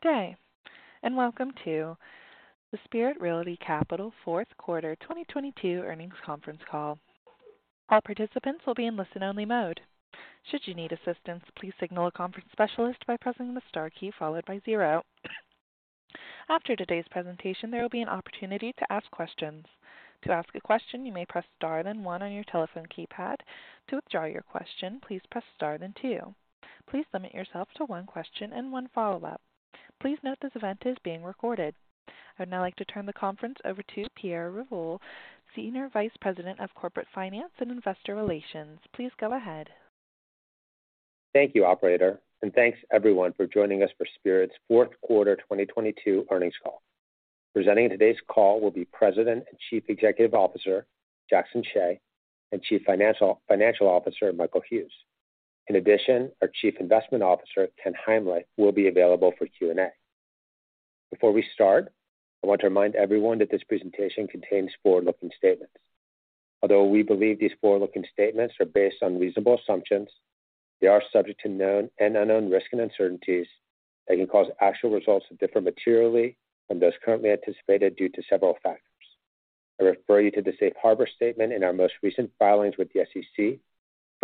Good day, welcome to the Spirit Realty Capital Fourth Quarter 2022 Earnings Conference Call. All participants will be in listen-only mode. Should you need assistance, please signal a conference specialist by pressing the Star key followed by zero. After today's presentation, there will be an opportunity to ask questions. To ask a question, you may press Star then one on your telephone keypad. To withdraw your question, please press Star then two. Please limit yourself to one question and one follow-up. Please note this event is being recorded. I would now like to turn the conference over to Pierre Revol, Senior Vice President of Corporate Finance and Investor Relations. Please go ahead. Thank you, operator. Thanks everyone for joining us for Spirit's fourth quarter 2022 earnings call. Presenting today's call will be President and Chief Executive Officer, Jackson Hsieh, and Chief Financial Officer, Michael Hughes. In addition, our Chief Investment Officer, Ken Heimlich, will be available for Q&A. Before we start, I want to remind everyone that this presentation contains forward-looking statements. Although we believe these forward-looking statements are based on reasonable assumptions, they are subject to known and unknown risks and uncertainties that can cause actual results to differ materially from those currently anticipated due to several factors. I refer you to the safe harbor statement in our most recent filings with the SEC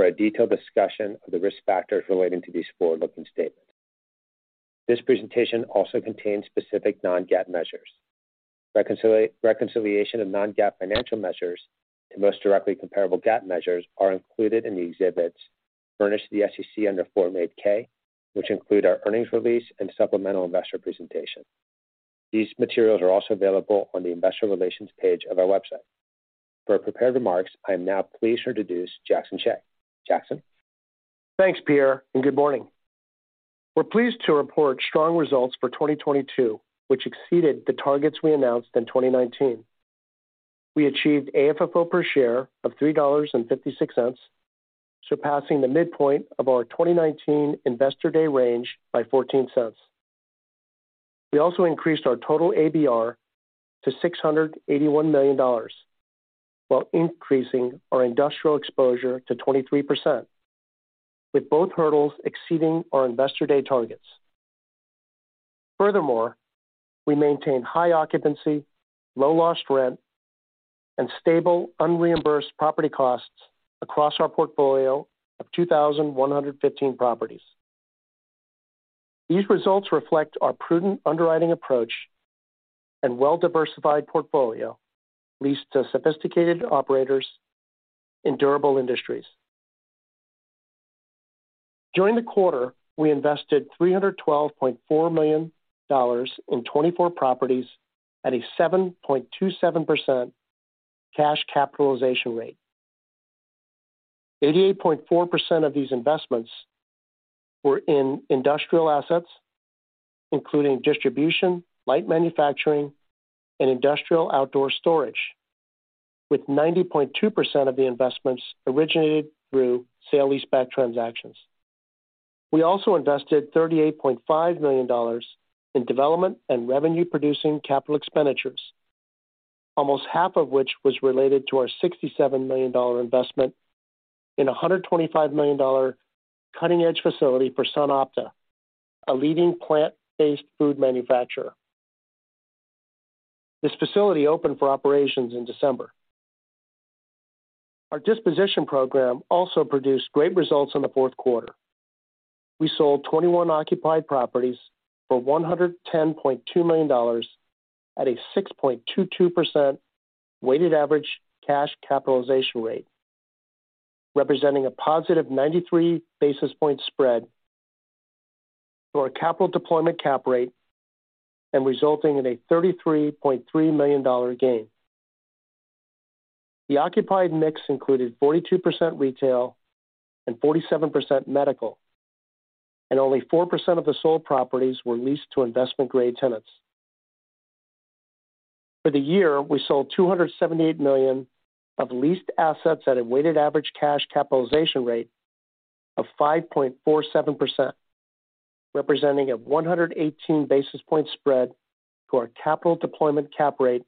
for a detailed discussion of the risk factors relating to these forward-looking statements. This presentation also contains specific non-GAAP measures. Reconciliation of non-GAAP financial measures to most directly comparable GAAP measures are included in the exhibits furnished to the SEC under Form 8-K, which include our earnings release and supplemental investor presentation. These materials are also available on the investor relations page of our website. For our prepared remarks, I am now pleased to introduce Jackson Hsieh. Jackson. Thanks, Pierre, and good morning. We're pleased to report strong results for 2022, which exceeded the targets we announced in 2019. We achieved AFFO per share of $3.56, surpassing the midpoint of our 2019 Investor Day range by $0.14. We also increased our total ABR to $681 million while increasing our industrial exposure to 23%, with both hurdles exceeding our Investor Day targets. Furthermore, we maintained high occupancy, low lost rent, and stable unreimbursed property costs across our portfolio of 2,115 properties. These results reflect our prudent underwriting approach and well-diversified portfolio leased to sophisticated operators in durable industries. During the quarter, we invested $312.4 million in 24 properties at a 7.27% cash capitalization rate. 88.4% of these investments were in industrial assets, including distribution, light manufacturing, and industrial outdoor storage, with 90.2% of the investments originated through sale leaseback transactions. We also invested $38.5 million in development and revenue producing capital expenditures, almost half of which was related to our $67 million investment in a $125 million cutting-edge facility for SunOpta, a leading plant-based food manufacturer. This facility opened for operations in December. Our disposition program also produced great results in the fourth quarter. We sold 21 occupied properties for $110.2 million at a 6.22% weighted average cash capitalization rate, representing a positive 93 basis point spread for our capital deployment cap rate and resulting in a $33.3 million gain. The occupied mix included 42% retail and 47% medical, and only 4% of the sold properties were leased to investment-grade tenants. For the year, we sold $278 million of leased assets at a weighted average cash capitalization rate of 5.47%, representing a 118 basis point spread to our capital deployment cap rate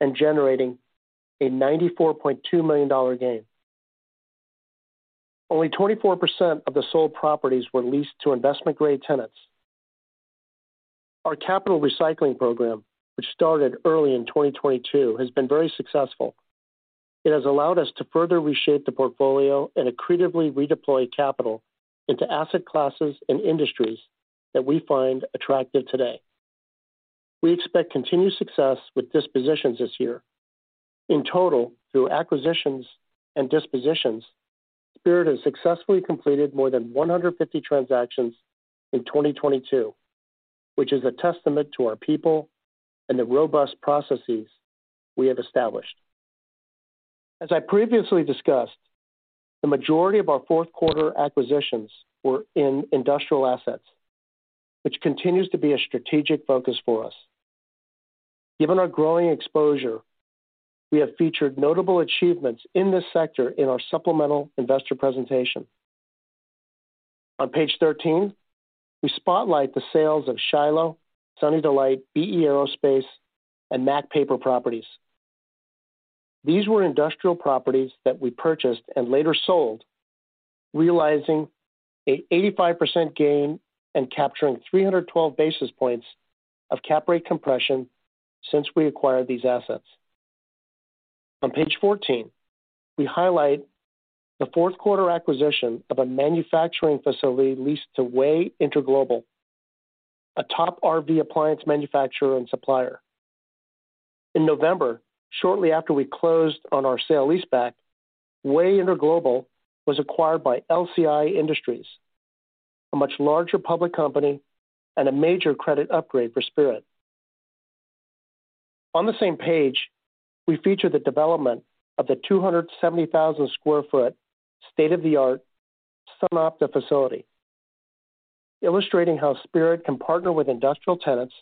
and generating a $94.2 million gain. Only 24% of the sold properties were leased to investment-grade tenants. Our capital recycling program, which started early in 2022, has been very successful. It has allowed us to further reshape the portfolio and accretively redeploy capital into asset classes and industries that we find attractive today. We expect continued success with dispositions this year. In total, through acquisitions and dispositions, Spirit has successfully completed more than 150 transactions in 2022, which is a testament to our people and the robust processes we have established. As I previously discussed, the majority of our 4th quarter acquisitions were in industrial assets, which continues to be a strategic focus for us. Given our growing exposure, we have featured notable achievements in this sector in our supplemental investor presentation. On page 13, we spotlight the sales of Shiloh, Sunny Delight, B/E Aerospace, and Mac Paper properties. These were industrial properties that we purchased and later sold, realizing a 85% gain and capturing 312 basis points of cap rate compression since we acquired these assets. On page 14, we highlight the 4th quarter acquisition of a manufacturing facility leased to Way Interglobal, a top RV appliance manufacturer and supplier. In November, shortly after we closed on our sale leaseback, Way Interglobal was acquired by LCI Industries, a much larger public company and a major credit upgrade for Spirit. On the same page, we feature the development of the 270,000 sq ft state-of-the-art SunOpta facility, illustrating how Spirit can partner with industrial tenants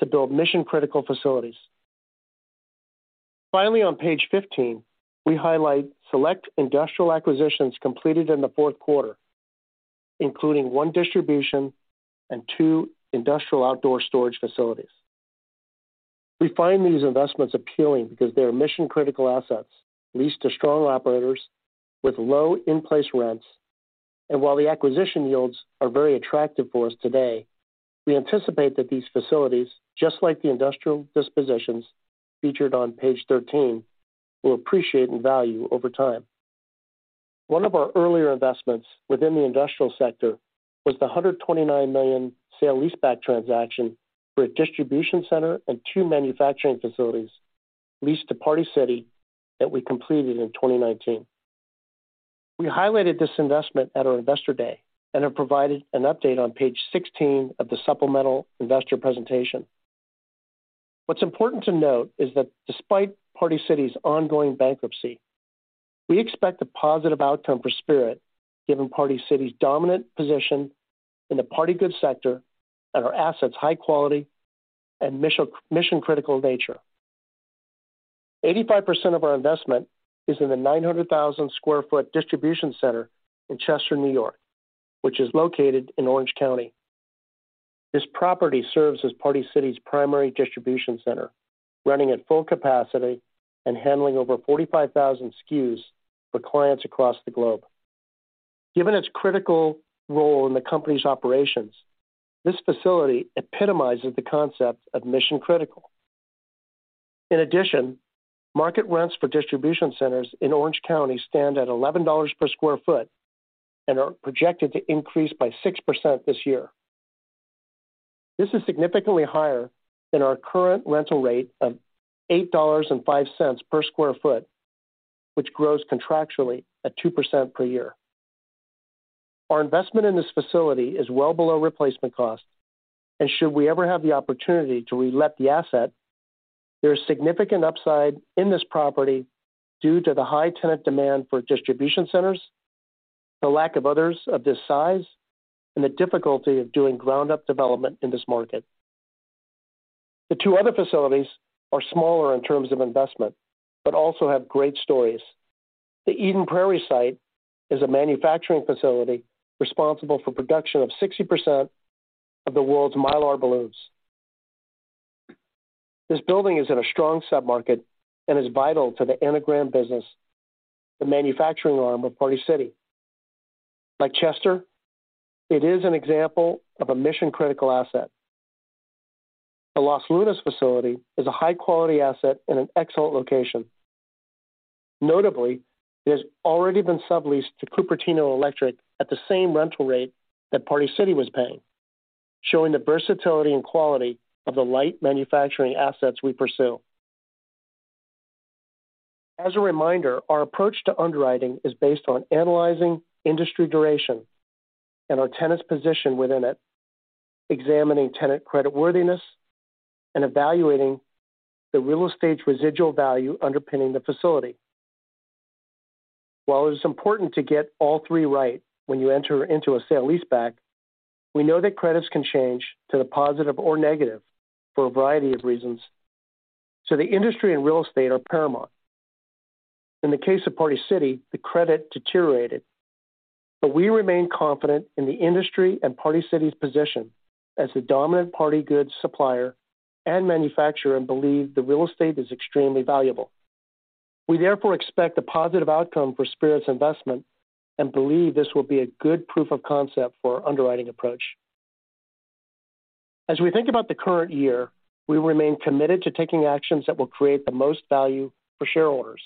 to build mission-critical facilities. Finally, on page 15, we highlight select industrial acquisitions completed in the fourth quarter, including one distribution and two industrial outdoor storage facilities. We find these investments appealing because they are mission-critical assets leased to strong operators with low in-place rents. While the acquisition yields are very attractive for us today, we anticipate that these facilities, just like the industrial dispositions featured on page 13, will appreciate in value over time. One of our earlier investments within the industrial sector was the $129 million sale leaseback transaction for a distribution center and two manufacturing facilities leased to Party City that we completed in 2019. We highlighted this investment at our Investor Day and have provided an update on page 16 of the supplemental investor presentation. What's important to note is that despite Party City's ongoing bankruptcy, we expect a positive outcome for Spirit, given Party City's dominant position in the party goods sector and our assets high quality and mission-critical nature. 85% of our investment is in the 900,000 sq ft distribution center in Chester, New York, which is located in Orange County. This property serves as Party City's primary distribution center, running at full capacity and handling over 45,000 SKUs for clients across the globe. Given its critical role in the company's operations, this facility epitomizes the concept of mission critical. In addition, market rents for distribution centers in Orange County stand at $11 per sq ft and are projected to increase by 6% this year. This is significantly higher than our current rental rate of $8.05 per sq ft, which grows contractually at 2% per year. Our investment in this facility is well below replacement cost, and should we ever have the opportunity to relet the asset, there is significant upside in this property due to the high tenant demand for distribution centers, the lack of others of this size, and the difficulty of doing ground-up development in this market. The two other facilities are smaller in terms of investment, but also have great stories. The Eden Prairie site is a manufacturing facility responsible for production of 60% of the world's Mylar balloons. This building is in a strong submarket and is vital to the Anagram business, the manufacturing arm of Party City. Like Chester, it is an example of a mission-critical asset. The Los Lunas facility is a high-quality asset in an excellent location. Notably, it has already been subleased to Cupertino Electric at the same rental rate that Party City was paying, showing the versatility and quality of the light manufacturing assets we pursue. As a reminder, our approach to underwriting is based on analyzing industry duration and our tenant's position within it, examining tenant creditworthiness, and evaluating the real estate's residual value underpinning the facility. While it is important to get all three right when you enter into a sale leaseback, we know that credits can change to the positive or negative for a variety of reasons. The industry and real estate are paramount. In the case of Party City, the credit deteriorated, but we remain confident in the industry and Party City's position as the dominant party goods supplier and manufacturer and believe the real estate is extremely valuable. We therefore expect a positive outcome for Spirit's investment and believe this will be a good proof of concept for our underwriting approach. As we think about the current year, we remain committed to taking actions that will create the most value for shareholders.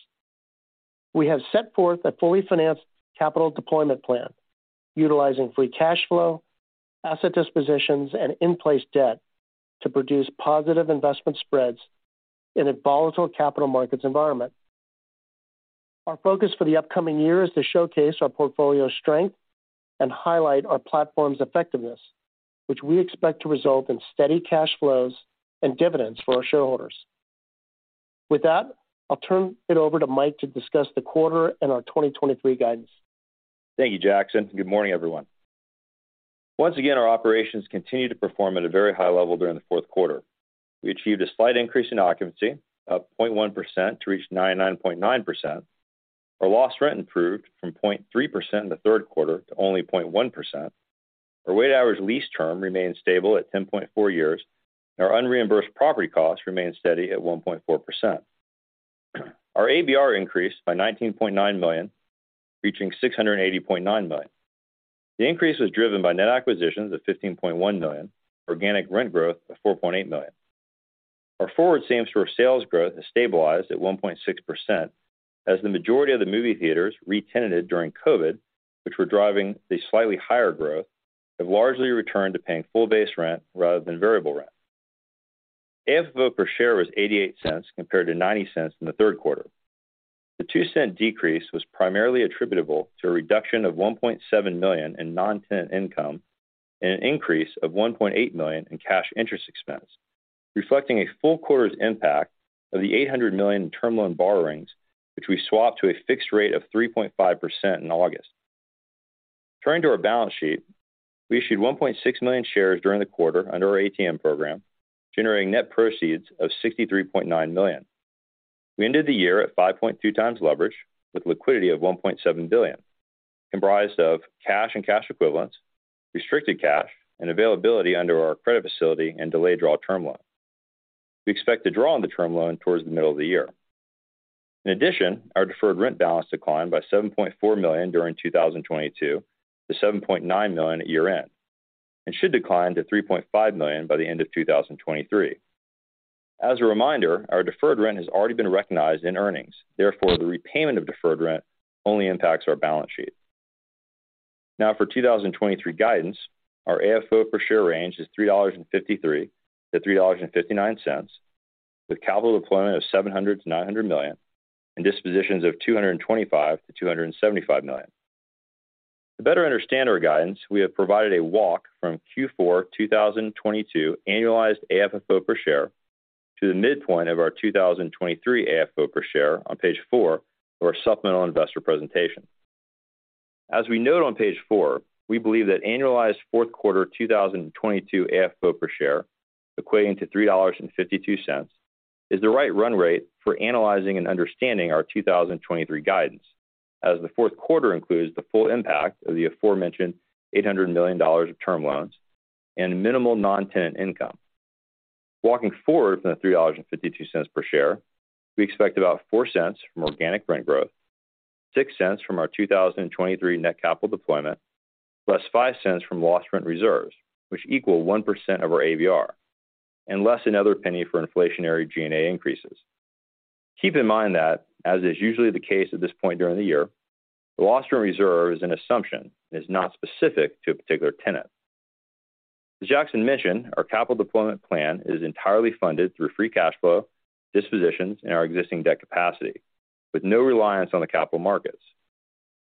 We have set forth a fully financed capital deployment plan utilizing free cash flow, asset dispositions, and in-place debt to produce positive investment spreads in a volatile capital markets environment. Our focus for the upcoming year is to showcase our portfolio strength and highlight our platform's effectiveness, which we expect to result in steady cash flows and dividends for our shareholders. With that, I'll turn it over to Mike to discuss the quarter and our 2023 guidance. Thank you, Jackson. Good morning, everyone. Once again, our operations continued to perform at a very high level during the fourth quarter. We achieved a slight increase in occupancy of 0.1% to reach 99.9%. Our loss rent improved from 0.3% in the third quarter to only 0.1%. Our weighted average lease term remains stable at 10.4 years, and our unreimbursed property costs remain steady at 1.4%. Our ABR increased by $19.9 million, reaching $680.9 million. The increase was driven by net acquisitions of $15.1 million, organic rent growth of $4.8 million. Our forward same-store sales growth has stabilized at 1.6% as the majority of the movie theaters re-tenanted during COVID, which were driving the slightly higher growth, have largely returned to paying full base rent rather than variable rent. AFFO per share was $0.88 compared to $0.90 in the third quarter. The $0.02 decrease was primarily attributable to a reduction of $1.7 million in non-tenant income and an increase of $1.8 million in cash interest expense, reflecting a full quarter's impact of the $800 million in term loan borrowings, which we swapped to a fixed rate of 3.5% in August. Turning to our balance sheet, we issued 1.6 million shares during the quarter under our ATM program, generating net proceeds of $63.9 million. We ended the year at 5.2x leverage with liquidity of $1.7 billion, comprised of cash and cash equivalents, restricted cash, and availability under our credit facility and delayed draw term loan. We expect to draw on the term loan towards the middle of the year. In addition, our deferred rent balance declined by $7.4 million during 2022 to $7.9 million at year-end, and should decline to $3.5 million by the end of 2023. As a reminder, our deferred rent has already been recognized in earnings. Therefore, the repayment of deferred rent only impacts our balance sheet. For 2023 guidance, our AFFO per share range is $3.53-$3.59, with capital deployment of $700 million-$900 million and dispositions of $225 million-$275 million. To better understand our guidance, we have provided a walk from Q4 2022 annualized AFFO per share to the midpoint of our 2023 AFFO per share on page four of our supplemental investor presentation. As we note on page four, we believe that annualized fourth quarter 2022 AFFO per share, equating to $3.52, is the right run rate for analyzing and understanding our 2023 guidance, as the fourth quarter includes the full impact of the aforementioned $800 million of term loans and minimal non-tenant income. Walking forward from the $3.52 per share, we expect about $0.04 from organic rent growth, $0.06 from our 2023 net capital deployment, plus $0.05 from lost rent reserves, which equal 1% of our ABR, and less another $0.01 for inflationary G&A increases. Keep in mind that, as is usually the case at this point during the year, the lost rent reserve is an assumption and is not specific to a particular tenant. As Jackson mentioned, our capital deployment plan is entirely funded through free cash flow, dispositions, and our existing debt capacity, with no reliance on the capital markets.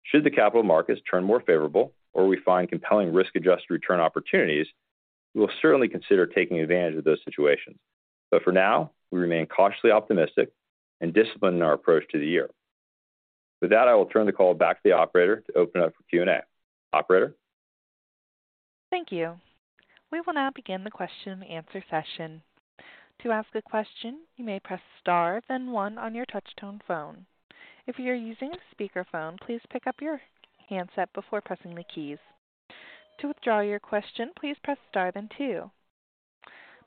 Should the capital markets turn more favorable or we find compelling risk-adjusted return opportunities, we will certainly consider taking advantage of those situations. For now, we remain cautiously optimistic and disciplined in our approach to the year. With that, I will turn the call back to the operator to open up for Q&A. Operator? Thank you. We will now begin the question and answer session. To ask a question, you may press star then one on your touch tone phone. If you are using a speaker phone, please pick up your handset before pressing the keys. To withdraw your question, please press star then two.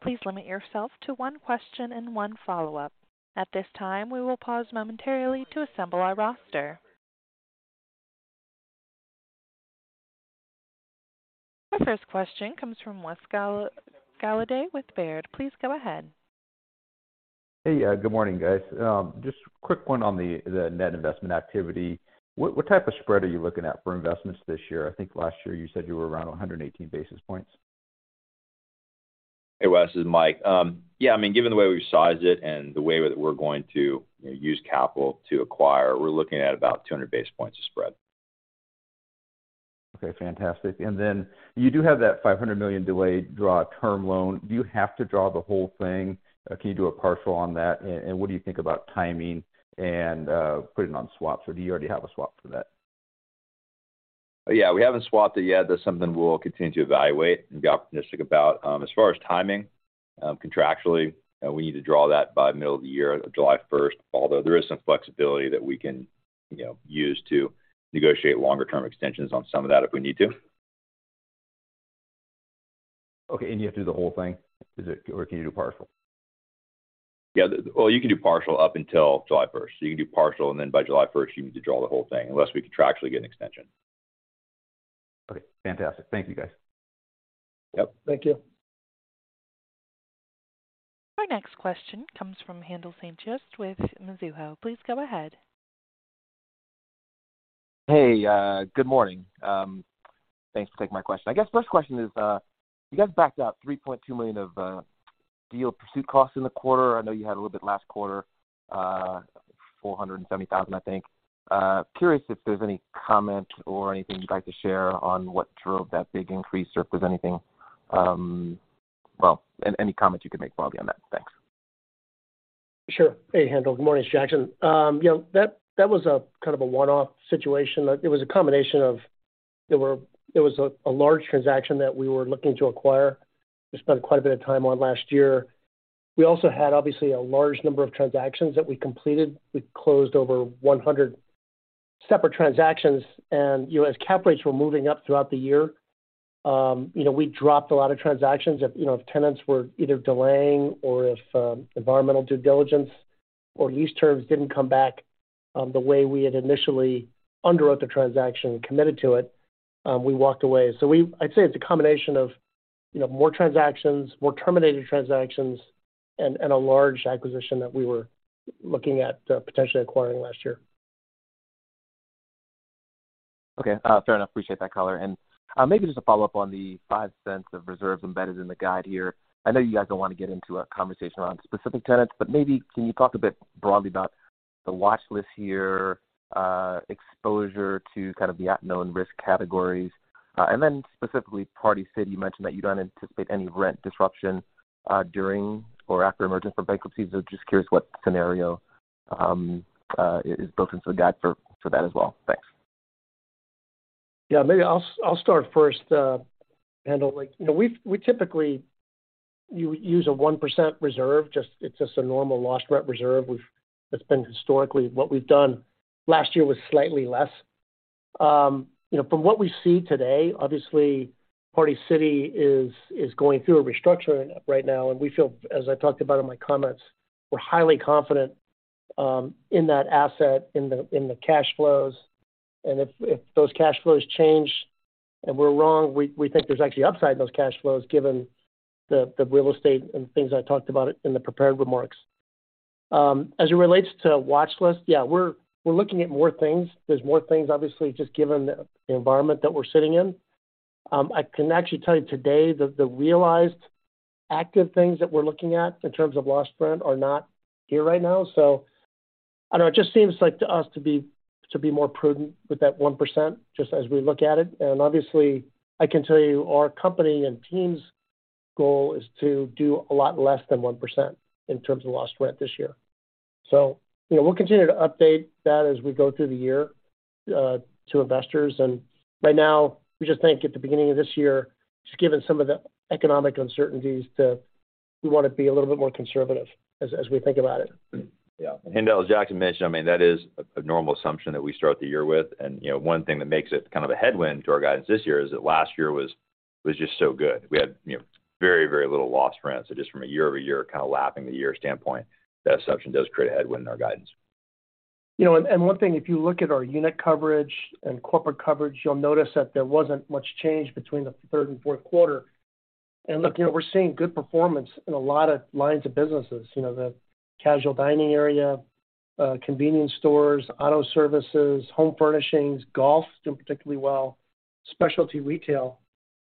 Please limit yourself to one question and one follow-up. At this time, we will pause momentarily to assemble our roster. The first question comes from. Please go ahead. Hey, good morning, guys. Just quick one on the net investment activity. What type of spread are you looking at for investments this year? I think last year you said you were around 118 basis points. Hey, Wes, this is Mike. Yeah, I mean, given the way we've sized it and the way that we're going to, you know, use capital to acquire, we're looking at about 200 basis points of spread. Okay, fantastic. Then you do have that $500 million delayed draw term loan. Do you have to draw the whole thing? Can you do a partial on that? And what do you think about timing and putting it on swaps, or do you already have a swap for that? Yeah. We haven't swapped it yet. That's something we'll continue to evaluate and be optimistic about. As far as timing, contractually, we need to draw that by middle of the year, July first, although there is some flexibility that we can, you know, use to negotiate longer term extensions on some of that if we need to. Okay. You have to do the whole thing? Is it Or can you do partial? Yeah. Well, you can do partial up until July first. You can do partial, and then by July first you need to draw the whole thing, unless we contractually get an extension. Okay, fantastic. Thank you, guys. Yep. Thank you. Our next question comes from Haendel St. Juste with Mizuho. Please go ahead. Good morning. Thanks for taking my question. I guess first question is, you guys backed out $3.2 million of deal pursuit costs in the quarter. I know you had a little bit last quarter, $470,000, I think. Curious if there's any comment or anything you'd like to share on what drove that big increase or if there's anything. Well, any comments you can make broadly on that? Thanks. Sure. Hey, Handel. Good morning. It's Jackson. You know, that was a kind of a one-off situation. It was a combination of there was a large transaction that we were looking to acquire. We spent quite a bit of time on last year. We also had, obviously, a large number of transactions that we completed. We closed over 100 separate transactions. You know, as cap rates were moving up throughout the year, you know, we dropped a lot of transactions if, you know, if tenants were either delaying or if environmental due diligence or lease terms didn't come back, the way we had initially underwrote the transaction and committed to it, we walked away. I'd say it's a combination of, you know, more transactions, more terminated transactions, and a large acquisition that we were looking at, potentially acquiring last year. Okay. fair enough. Appreciate that color. Maybe just a follow-up on the $0.05 of reserves embedded in the guide here. I know you guys don't wanna get into a conversation around specific tenants, but maybe can you talk a bit broadly about the watch list here, exposure to kind of the unknown risk categories? Specifically Party City, you mentioned that you don't anticipate any rent disruption during or after emerging from bankruptcy. Just curious what scenario is built into the guide for that as well. Thanks. Yeah. Maybe I'll start first, Handel. Like, you know, we typically use a 1% reserve, it's just a normal lost rent reserve. That's been historically what we've done. Last year was slightly less. You know, from what we see today, obviously Party City is going through a restructuring right now. We feel, as I talked about in my comments, we're highly confident in that asset, in the cash flows. If those cash flows change and we're wrong, we think there's actually upside in those cash flows given the real estate and things I talked about it in the prepared remarks. As it relates to watchlist, yeah, we're looking at more things. There's more things, obviously, just given the environment that we're sitting in. I can actually tell you today the realized active things that we're looking at in terms of lost rent are not here right now. I don't know, it just seems like to us to be more prudent with that 1%, just as we look at it. Obviously, I can tell you our company and team's goal is to do a lot less than 1% in terms of lost rent this year. You know, we'll continue to update that as we go through the year to investors. Right now we just think at the beginning of this year, just given some of the economic uncertainties, we wanna be a little bit more conservative as we think about it. Yeah. Haendel, as Jackson mentioned, I mean, that is a normal assumption that we start the year with. You know, one thing that makes it kind of a headwind to our guidance this year is that last year was just so good. We had, you know, very little lost rent. Just from a year-over-year kind of lapping the year standpoint, that assumption does create a headwind in our guidance. You know, one thing, if you look at our unit coverage and corporate coverage, you'll notice that there wasn't much change between the third and fourth quarter. Look, you know, we're seeing good performance in a lot of lines of businesses. You know, the casual dining area, convenience stores, auto services, home furnishings, golf is doing particularly well, specialty retail.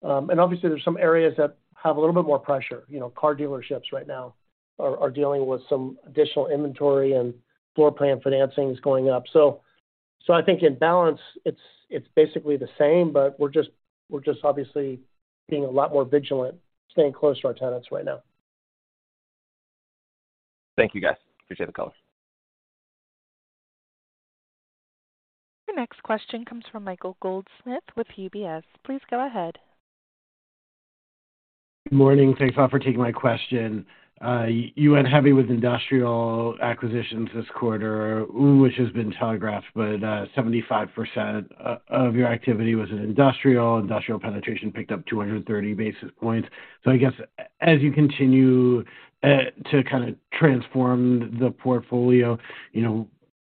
Obviously there's some areas that have a little bit more pressure. You know, car dealerships right now are dealing with some additional inventory, and floor plan financing is going up. I think in balance it's basically the same, but we're just obviously being a lot more vigilant staying close to our tenants right now. Thank you, guys. Appreciate the color. Your next question comes from Michael Goldsmith with UBS. Please go ahead. Morning. Thanks a lot for taking my question. You went heavy with industrial acquisitions this quarter, which has been telegraphed, but, 75% of your activity was in industrial. Industrial penetration picked up 230 basis points. I guess as you continue to kind of transform the portfolio, you know,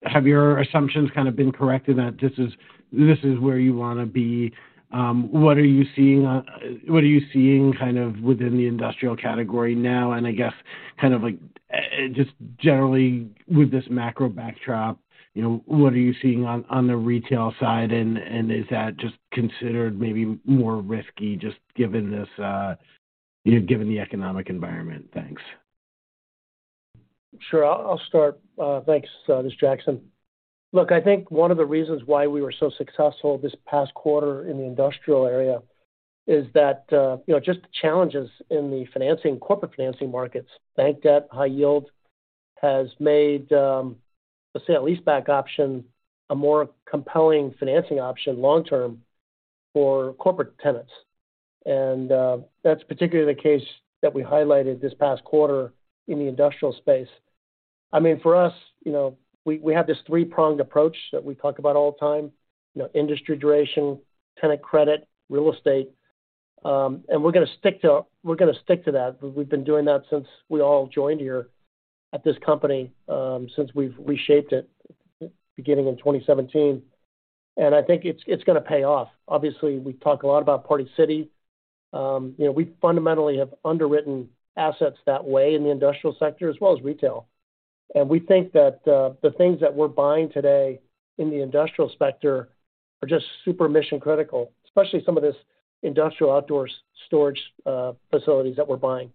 have your assumptions kind of been corrected that this is, this is where you wanna be? What are you seeing kind of within the industrial category now? I guess kind of like, just generally with this macro backdrop, you know, what are you seeing on the retail side, and is that just considered maybe more risky just given this, you know, given the economic environment? Thanks. Sure. I'll start. Thanks, Mr. Jackson. Look, I think one of the reasons why we were so successful this past quarter in the industrial area is that, you know, just the challenges in the financing, corporate financing markets. Bank debt, high yield has made, let's say a leaseback option, a more compelling financing option long term for corporate tenants. That's particularly the case that we highlighted this past quarter in the industrial space. I mean, for us, you know, we have this three-pronged approach that we talk about all the time. You know, industry duration, tenant credit, real estate. We're gonna stick to that. We've been doing that since we all joined here at this company, since we've reshaped it beginning in 2017, I think it's gonna pay off. Obviously, we talk a lot about Party City. You know, we fundamentally have underwritten assets that way in the industrial sector as well as retail. We think that the things that we're buying today in the industrial sector are just super mission-critical, especially some of this industrial outdoor storage facilities that we're buying.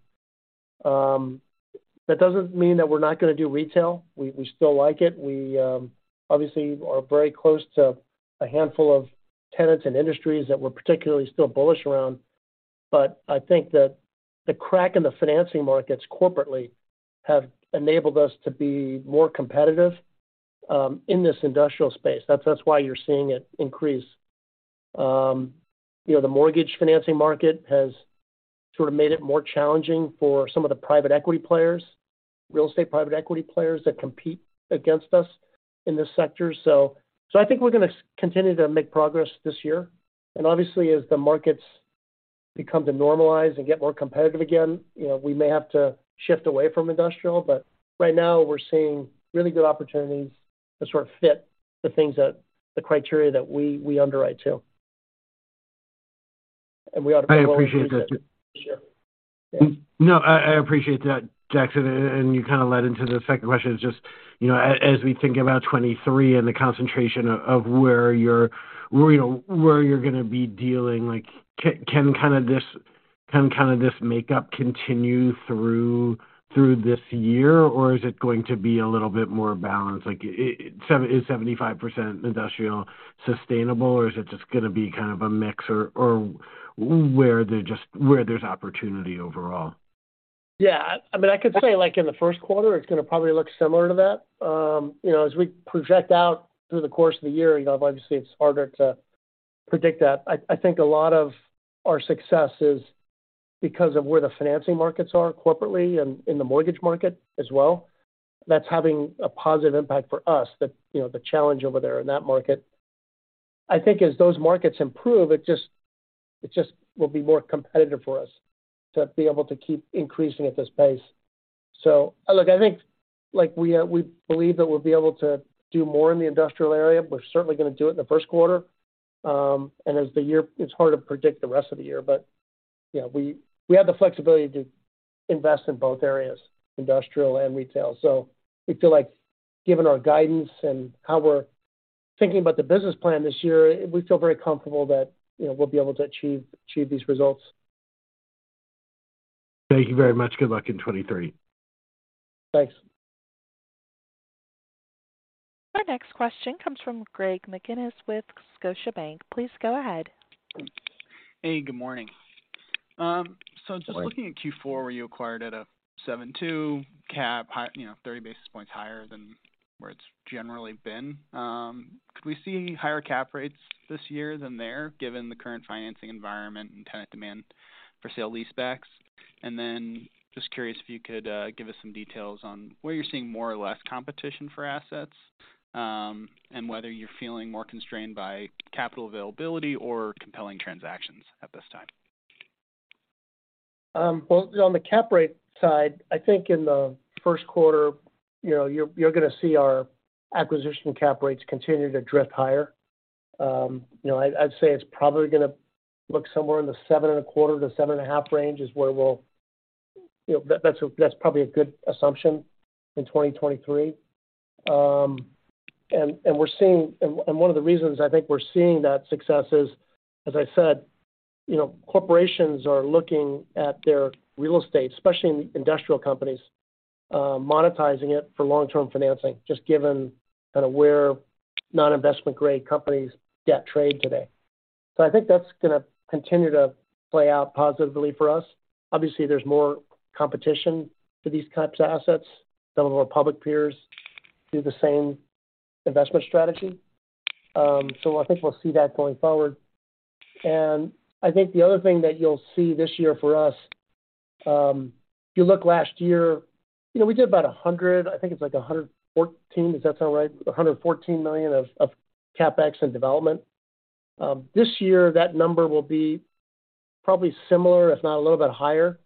That doesn't mean that we're not gonna do retail. We, we still like it. We obviously are very close to a handful of tenants and industries that we're particularly still bullish around. I think that the crack in the financing markets corporately have enabled us to be more competitive in this industrial space. That's why you're seeing it increase. you know, the mortgage financing market has sort of made it more challenging for some of the private equity players, real estate private equity players that compete against us in this sector. I think we're gonna continue to make progress this year. Obviously, as the markets become to normalize and get more competitive again, you know, we may have to shift away from industrial. Right now we're seeing really good opportunities that sort of fit the things that the criteria that we underwrite to. I appreciate that J. Sure. Yeah. No, I appreciate that, Jackson. You kind of led into the second question. It's just, you know, as we think about 2023 and the concentration of where you're, you know, where you're gonna be dealing, like, can kind of this makeup continue through this year? Is it going to be a little bit more balanced? Like, is 75% industrial sustainable, or is it just gonna be kind of a mix or, where there's opportunity overall? Yeah. I mean, I could say, like, in the first quarter it's gonna probably look similar to that. You know, as we project out through the course of the year, you know, obviously it's harder to predict that. I think a lot of our success is because of where the financing markets are corporately and in the mortgage market as well. That's having a positive impact for us that, you know, the challenge over there in that market. I think as those markets improve, it will be more competitive for us to be able to keep increasing at this pace. Look, I think, like we believe that we'll be able to do more in the industrial area. We're certainly gonna do it in the first quarter. As the year. It's hard to predict the rest of the year, you know, we have the flexibility to invest in both areas, industrial and retail. We feel like given our guidance and how we're thinking about the business plan this year, we feel very comfortable that, you know, we'll be able to achieve these results. Thank you very much. Good luck in 2023. Thanks. Our next question comes from Greg McGinniss with Scotiabank. Please go ahead. Hey, good morning. Good morning. Looking at Q4, where you acquired at a 7.2 cap high, you know, 30 basis points higher than where it's generally been. Could we see higher cap rates this year than there, given the current financing environment and tenant demand for sale leasebacks? Just curious if you could give us some details on where you're seeing more or less competition for assets, and whether you're feeling more constrained by capital availability or compelling transactions at this time. Well, on the cap rate side, I think in the first quarter, you know, you're gonna see our acquisition cap rates continue to drift higher. You know, I'd say it's probably gonna look somewhere in the 7.25%-7.5% range is where we'll. You know, that's probably a good assumption in 2023. We're seeing and one of the reasons I think we're seeing that success is, as I said, you know, corporations are looking at their real estate, especially in industrial companies, monetizing it for long-term financing, just given kind of where non-investment grade companies get trade today. I think that's gonna continue to play out positively for us. Obviously, there's more competition for these types of assets. Some of our public peers do the same investment strategy. I think we'll see that going forward. I think the other thing that you'll see this year for us, if you look last year, you know, we did about 100, I think it's like 114. Does that sound right? $114 million of CapEx and development. This year that number will be probably similar, if not a little bit higher.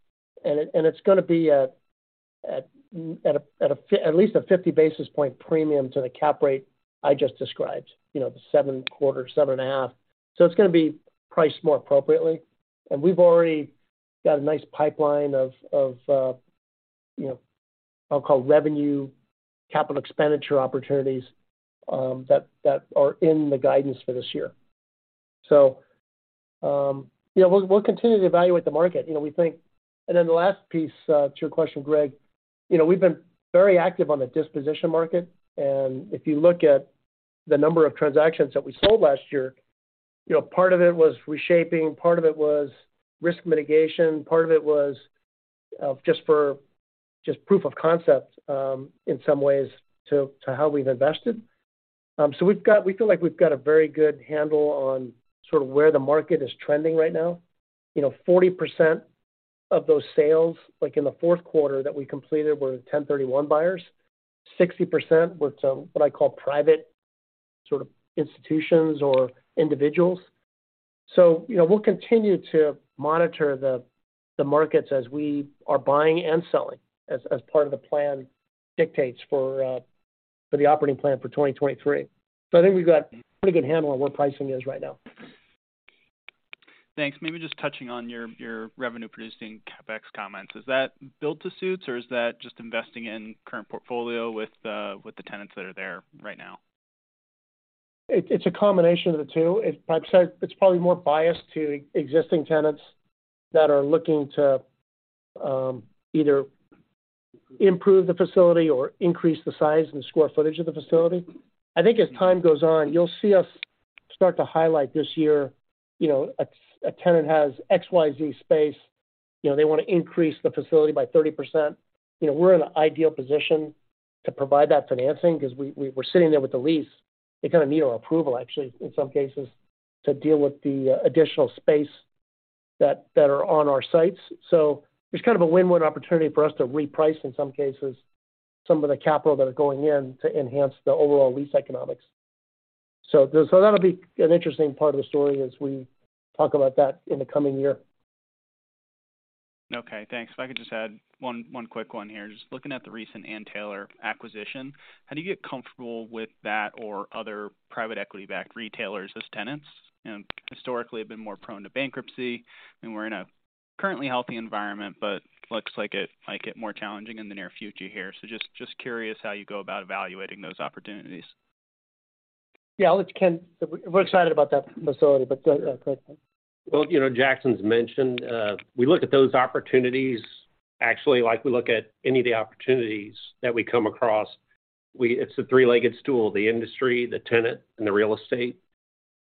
It's gonna be at least a 50 basis point premium to the cap rate I just described, you know, the 7.25, 7.5. It's gonna be priced more appropriately. We've already got a nice pipeline of, you know, I'll call revenue capital expenditure opportunities that are in the guidance for this year. You know, we'll continue to evaluate the market. You know, the last piece to your question, Greg, you know, we've been very active on the disposition market, and if you look at the number of transactions that we sold last year, you know, part of it was reshaping, part of it was risk mitigation, part of it was just proof of concept in some ways to how we've invested. We feel like we've got a very good handle on sort of where the market is trending right now. You know, 40% of those sales, like in the fourth quarter that we completed, were 1031 buyers. 60% were to what I call private sort of institutions or individuals. you know, we'll continue to monitor the markets as we are buying and selling, as part of the plan dictates for the operating plan for 2023. I think we've got a pretty good handle on where pricing is right now. Thanks. Maybe just touching on your revenue producing CapEx comments. Is that build to suits or is that just investing in current portfolio with the tenants that are there right now? It's a combination of the two. I'd say it's probably more biased to existing tenants that are looking to either improve the facility or increase the size and square footage of the facility. I think as time goes on, you'll see us start to highlight this year, you know, a tenant has XYZ space. You know, they want to increase the facility by 30%. You know, we're in an ideal position to provide that financing because we're sitting there with the lease. They kind of need our approval actually, in some cases, to deal with the additional space that are on our sites. So it's kind of a win-win opportunity for us to reprice in some cases, some of the capital that are going in to enhance the overall lease economics. That'll be an interesting part of the story as we talk about that in the coming year. Okay, thanks. If I could just add one quick one here. Just looking at the recent Ann Taylor acquisition, how do you get comfortable with that or other private equity-backed retailers as tenants? You know, historically have been more prone to bankruptcy, and we're in a currently healthy environment, but looks like it might get more challenging in the near future here. Just curious how you go about evaluating those opportunities. Yeah. I'll let Ken... We're excited about that facility, but go ahead, Ken. Well, you know, Jackson's mentioned, we look at those opportunities actually like we look at any of the opportunities that we come across. It's a three-legged stool, the industry, the tenant, and the real estate.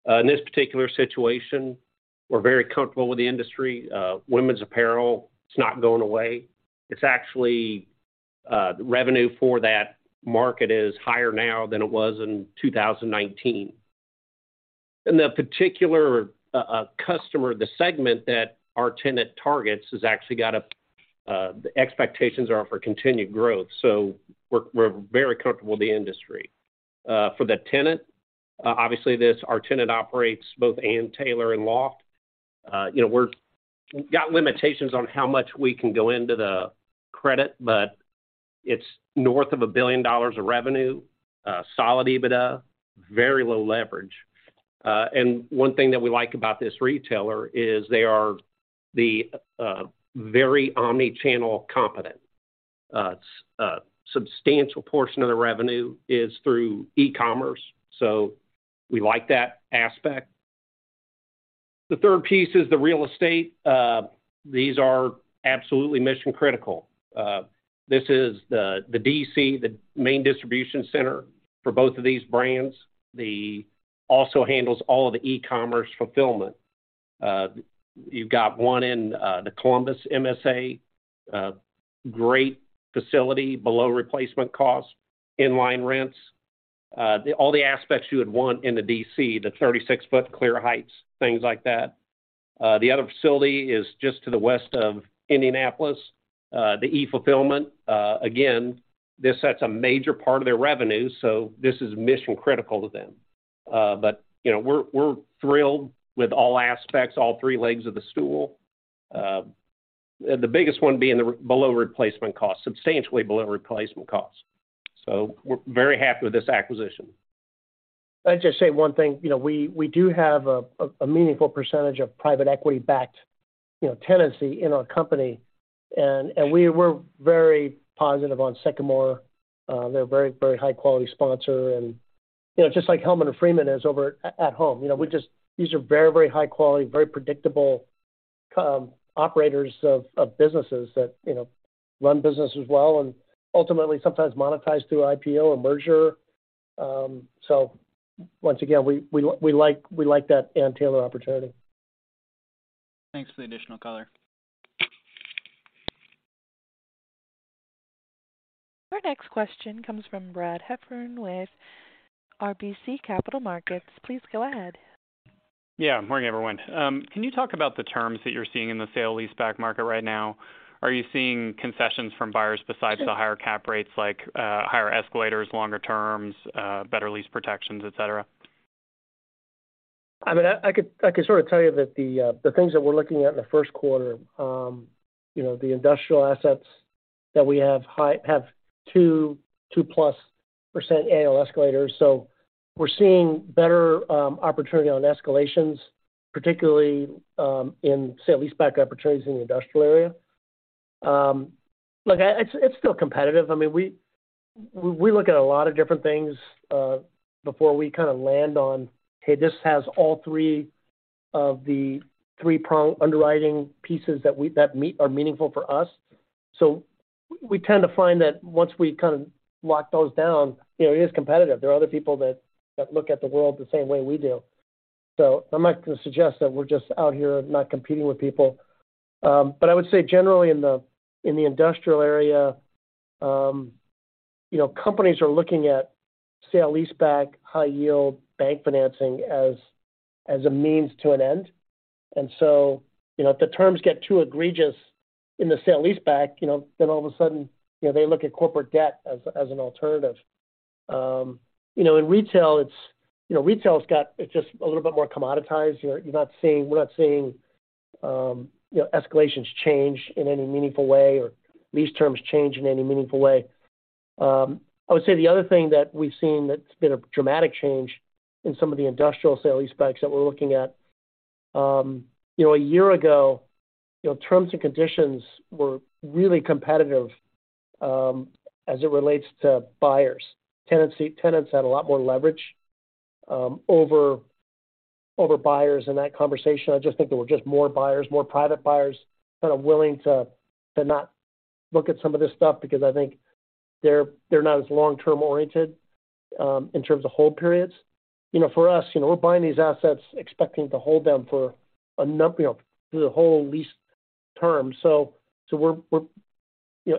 In this particular situation, we're very comfortable with the industry. Women's apparel, it's not going away. It's actually, revenue for that market is higher now than it was in 2019. And the particular customer, the segment that our tenant targets has actually got a, the expectations are for continued growth. We're, we're very comfortable with the industry. For the tenant, obviously this, our tenant operates both Ann Taylor and LOFT. You know, we're got limitations on how much we can go into the credit, but it's north of $1 billion of revenue, solid EBITDA, very low leverage. One thing that we like about this retailer is they are the very omni-channel competent. A substantial portion of the revenue is through e-commerce, we like that aspect. The third piece is the real estate. These are absolutely mission-critical. This is the DC, the main distribution center for both of these brands. Also handles all of the e-commerce fulfillment. You've got one in the Columbus MSA, great facility, below replacement cost, in-line rents, all the aspects you would want in the DC, the 36-foot clear heights, things like that. The other facility is just to the west of Indianapolis, the e-fulfillment. Again, this sets a major part of their revenue, this is mission critical to them. You know, we're thrilled with all aspects, all three legs of the stool. The biggest one being the below replacement cost, substantially below replacement cost. We're very happy with this acquisition. Can I just say one thing? You know, we do have a meaningful percentage of private equity-backed, you know, tenancy in our company, and we're very positive on Sycamore. They're a very high-quality sponsor. You know, just like Hellman & Friedman is over at At Home. You know, these are very high quality, very predictable operators of businesses that, you know, run businesses well and ultimately sometimes monetize through IPO or merger. Once again, we like that Ann Taylor opportunity. Thanks for the additional color. Our next question comes from Brad Heffern with RBC Capital Markets. Please go ahead. Yeah. Morning, everyone. Can you talk about the terms that you're seeing in the sale leaseback market right now? Are you seeing concessions from buyers besides the higher cap rates, like, higher escalators, longer terms, better lease protections, et cetera? I mean, I could sort of tell you that the things that we're looking at in the first quarter, you know, the industrial assets that we have 2%+ annual escalators. We're seeing better opportunity on escalations, particularly in sale leaseback opportunities in the industrial area. Look, it's still competitive. I mean, we look at a lot of different things before we kind of land on, hey, this has all three of the three-prong underwriting pieces that meet or are meaningful for us. We tend to find that once we kind of lock those down, you know, it is competitive. There are other people that look at the world the same way we do. I'm not going to suggest that we're just out here not competing with people. I would say generally in the industrial area, you know, companies are looking at sale leaseback, high yield bank financing as a means to an end. If the terms get too egregious in the sale leaseback, you know, then all of a sudden, you know, they look at corporate debt as an alternative. In retail, it's, you know. It's just a little bit more commoditized. We're not seeing, you know, escalations change in any meaningful way or lease terms change in any meaningful way. I would say the other thing that we've seen that's been a dramatic change in some of the industrial sale leasebacks that we're looking at, you know, one year ago, terms and conditions were really competitive as it relates to buyers. Tenants had a lot more leverage over buyers in that conversation. I just think there were just more buyers, more private buyers kind of willing to not look at some of this stuff because I think They're not as long-term oriented in terms of hold periods. For us, we're buying these assets expecting to hold them for the whole lease term.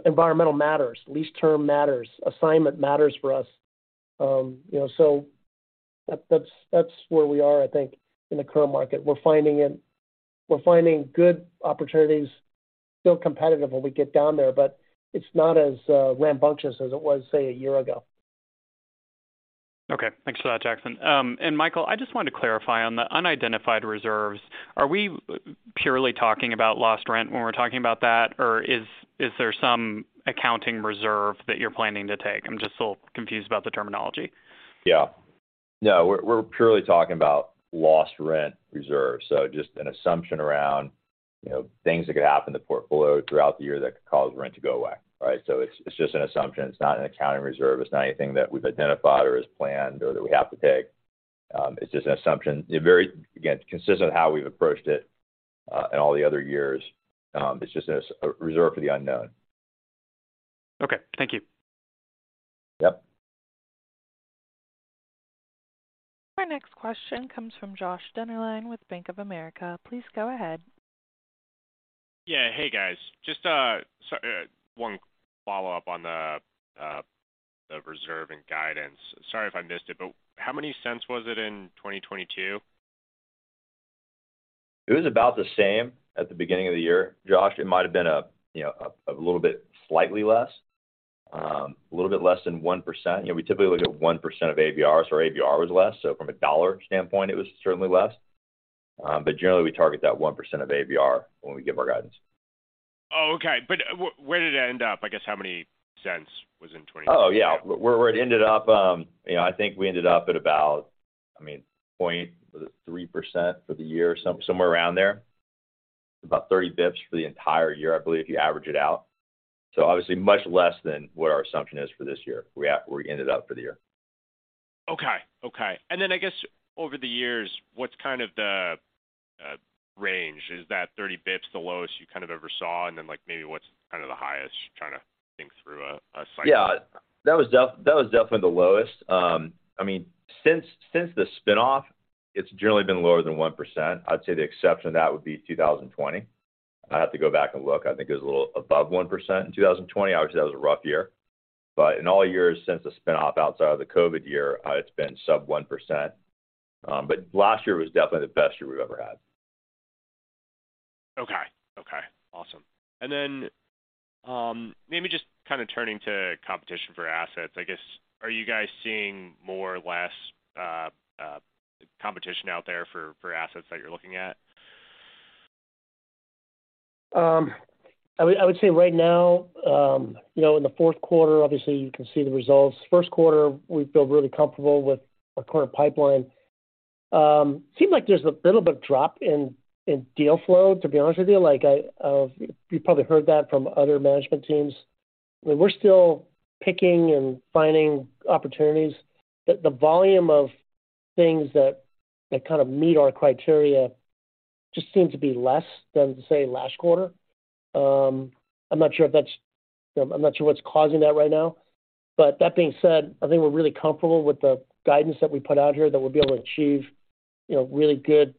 Environmental matters, lease term matters, assignment matters for us. You know, that's where we are, I think, in the current market. We're finding good opportunities, still competitive when we get down there, but it's not as rambunctious as it was, say, a year ago. Okay. Thanks for that, Jackson. Michael, I just wanted to clarify. On the unidentified reserves, are we purely talking about lost rent when we're talking about that, or is there some accounting reserve that you're planning to take? I'm just a little confused about the terminology. Yeah. No, we're purely talking about lost rent reserve. Just an assumption around, you know, things that could happen in the portfolio throughout the year that could cause rent to go away, right? It's, it's just an assumption. It's not an accounting reserve. It's not anything that we've identified or is planned or that we have to take. It's just an assumption. Very, again, consistent with how we've approached it, in all the other years. It's just a reserve for the unknown. Okay, thank you. Yep. Our next question comes from Josh Dennerlein with Bank of America. Please go ahead. Yeah. Hey, guys. Just one follow-up on the reserve and guidance. Sorry if I missed it, but how many cents was it in 2022? It was about the same at the beginning of the year, Josh. It might have been a, you know, a little bit slightly less, a little bit less than 1%. You know, we typically look at 1% of ABR, so our ABR was less, so from a dollar standpoint it was certainly less. Generally we target that 1% of ABR when we give our guidance. Oh, okay. where did it end up? I guess how many cents was in 2022? Oh, yeah. Where it ended up, you know, I think we ended up at about, I mean, 0.3% for the year, somewhere around there. About 30 basis points for the entire year, I believe, if you average it out. Obviously much less than what our assumption is for this year. Where we ended up for the year. Okay. Okay. I guess over the years, what's kind of the range? Is that 30 basis points the lowest you kind of ever saw? Like, maybe what's kind of the highest? Trying to think through a cycle. Yeah. That was definitely the lowest. I mean, since the spin-off, it's generally been lower than 1%. I'd say the exception to that would be 2020. I'd have to go back and look, I think it was a little above 1%. In 2020, obviously that was a rough year. In all years since the spin-off, outside of the COVID year, it's been sub 1%. Last year was definitely the best year we've ever had. Okay. Okay. Awesome. Then, maybe just kind of turning to competition for assets. I guess, are you guys seeing more or less competition out there for assets that you're looking at? I would say right now, you know, in the fourth quarter, obviously you can see the results. First quarter, we feel really comfortable with our current pipeline. Seem like there's a little bit of drop in deal flow, to be honest with you. Like, I, you probably heard that from other management teams. We're still picking and finding opportunities, but the volume of things that kind of meet our criteria just seem to be less than, say, last quarter. I'm not sure if that's. You know, I'm not sure what's causing that right now. That being said, I think we're really comfortable with the guidance that we put out here, that we'll be able to achieve, you know, really good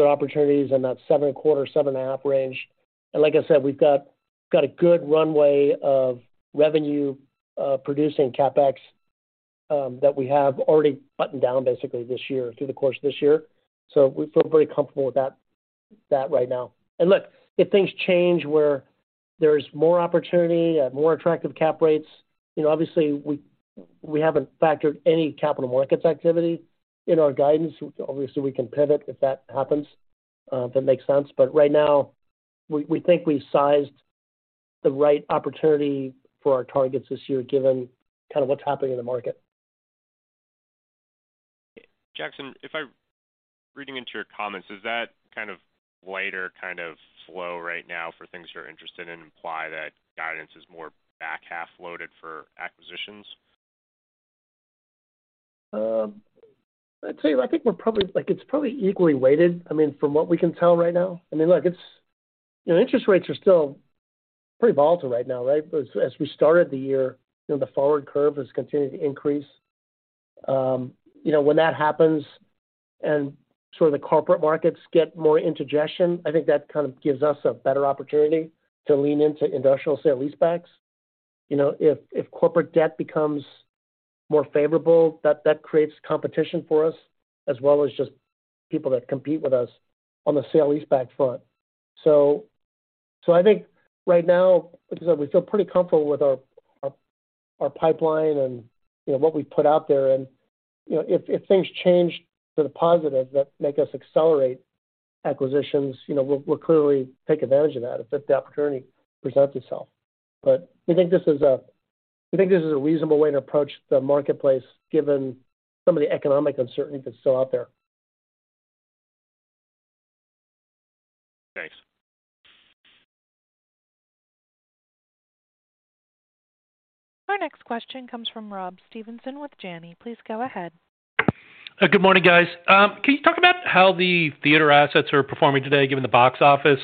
opportunities in that seven and a quarter, seven and a half range. Like I said, we've got a good runway of revenue producing CapEx that we have already buttoned down basically this year, through the course of this year. We feel very comfortable with that right now. Look, if things change where there's more opportunity at more attractive cap rates, you know, obviously we haven't factored any capital markets activity in our guidance. Obviously, we can pivot if that happens, if it makes sense. Right now we think we sized the right opportunity for our targets this year, given kind of what's happening in the market. Jackson, if I'm reading into your comments, does that kind of lighter kind of flow right now for things you're interested in imply that guidance is more back half loaded for acquisitions? I'd say, I think we're probably equally weighted, I mean, from what we can tell right now. Look, it's... You know, interest rates are still pretty volatile right now, right? As we started the year, you know, the forward curve has continued to increase. You know, when that happens and sort of the corporate markets get more into ingestion, I think that kind of gives us a better opportunity to lean into industrial sale leasebacks. You know, if corporate debt becomes more favorable, that creates competition for us, as well as just people that compete with us on the sale leaseback front. I think right now, like I said, we feel pretty comfortable with our pipeline and, you know, what we put out there. you know, if things change to the positive that make us accelerate acquisitions, you know, we'll clearly take advantage of that if that opportunity presents itself. We think this is a reasonable way to approach the marketplace given some of the economic uncertainty that's still out there. Thanks. Our next question comes from Rob Stevenson with Janney. Please go ahead. Good morning, guys. Can you talk about how the theater assets are performing today, given the box office?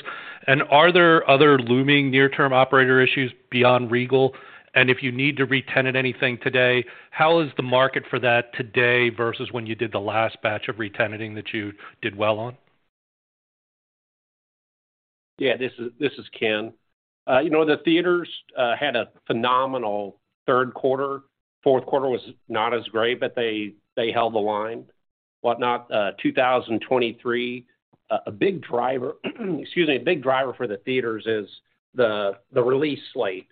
Are there other looming near-term operator issues beyond Regal? If you need to retenant anything today, how is the market for that today versus when you did the last batch of retenanting that you did well on? Yeah, this is Ken. You know, the theaters had a phenomenal 3rd quarter. 4th quarter was not as great, they held the line, whatnot. 2023, a big driver, excuse me, a big driver for the theaters is the release slate.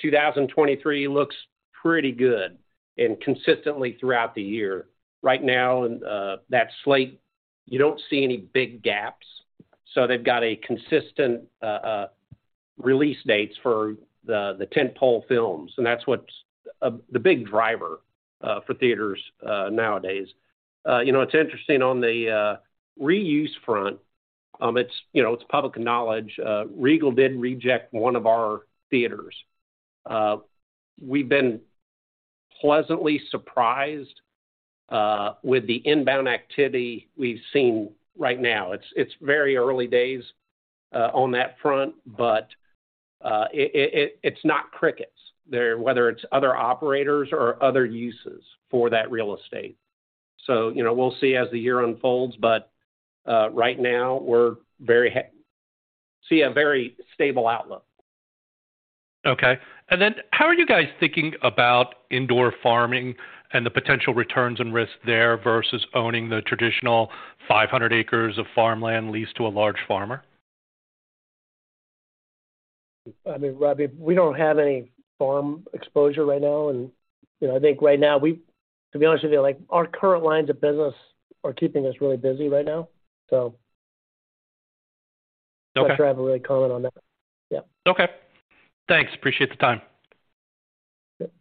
2023 looks pretty good consistently throughout the year. Right now in that slate, you don't see any big gaps, they've got a consistent release dates for the tent-pole films, that's what's the big driver for theaters nowadays. You know, it's interesting on the reuse front, it's, you know, it's public knowledge, Regal did reject one of our theaters. We've been pleasantly surprised with the inbound activity we've seen right now. It's very early days on that front, but it's not crickets there, whether it's other operators or other uses for that real estate. You know, we'll see as the year unfolds, but right now we see a very stable outlook. Okay. Then how are you guys thinking about indoor farming and the potential returns and risks there versus owning the traditional 500 acres of farmland leased to a large farmer? I mean, Robbie, we don't have any farm exposure right now. you know, I think right now to be honest with you, like, our current lines of business are keeping us really busy right now. Okay. Not sure I have a really comment on that. Yeah. Okay. Thanks. Appreciate the time. Yep.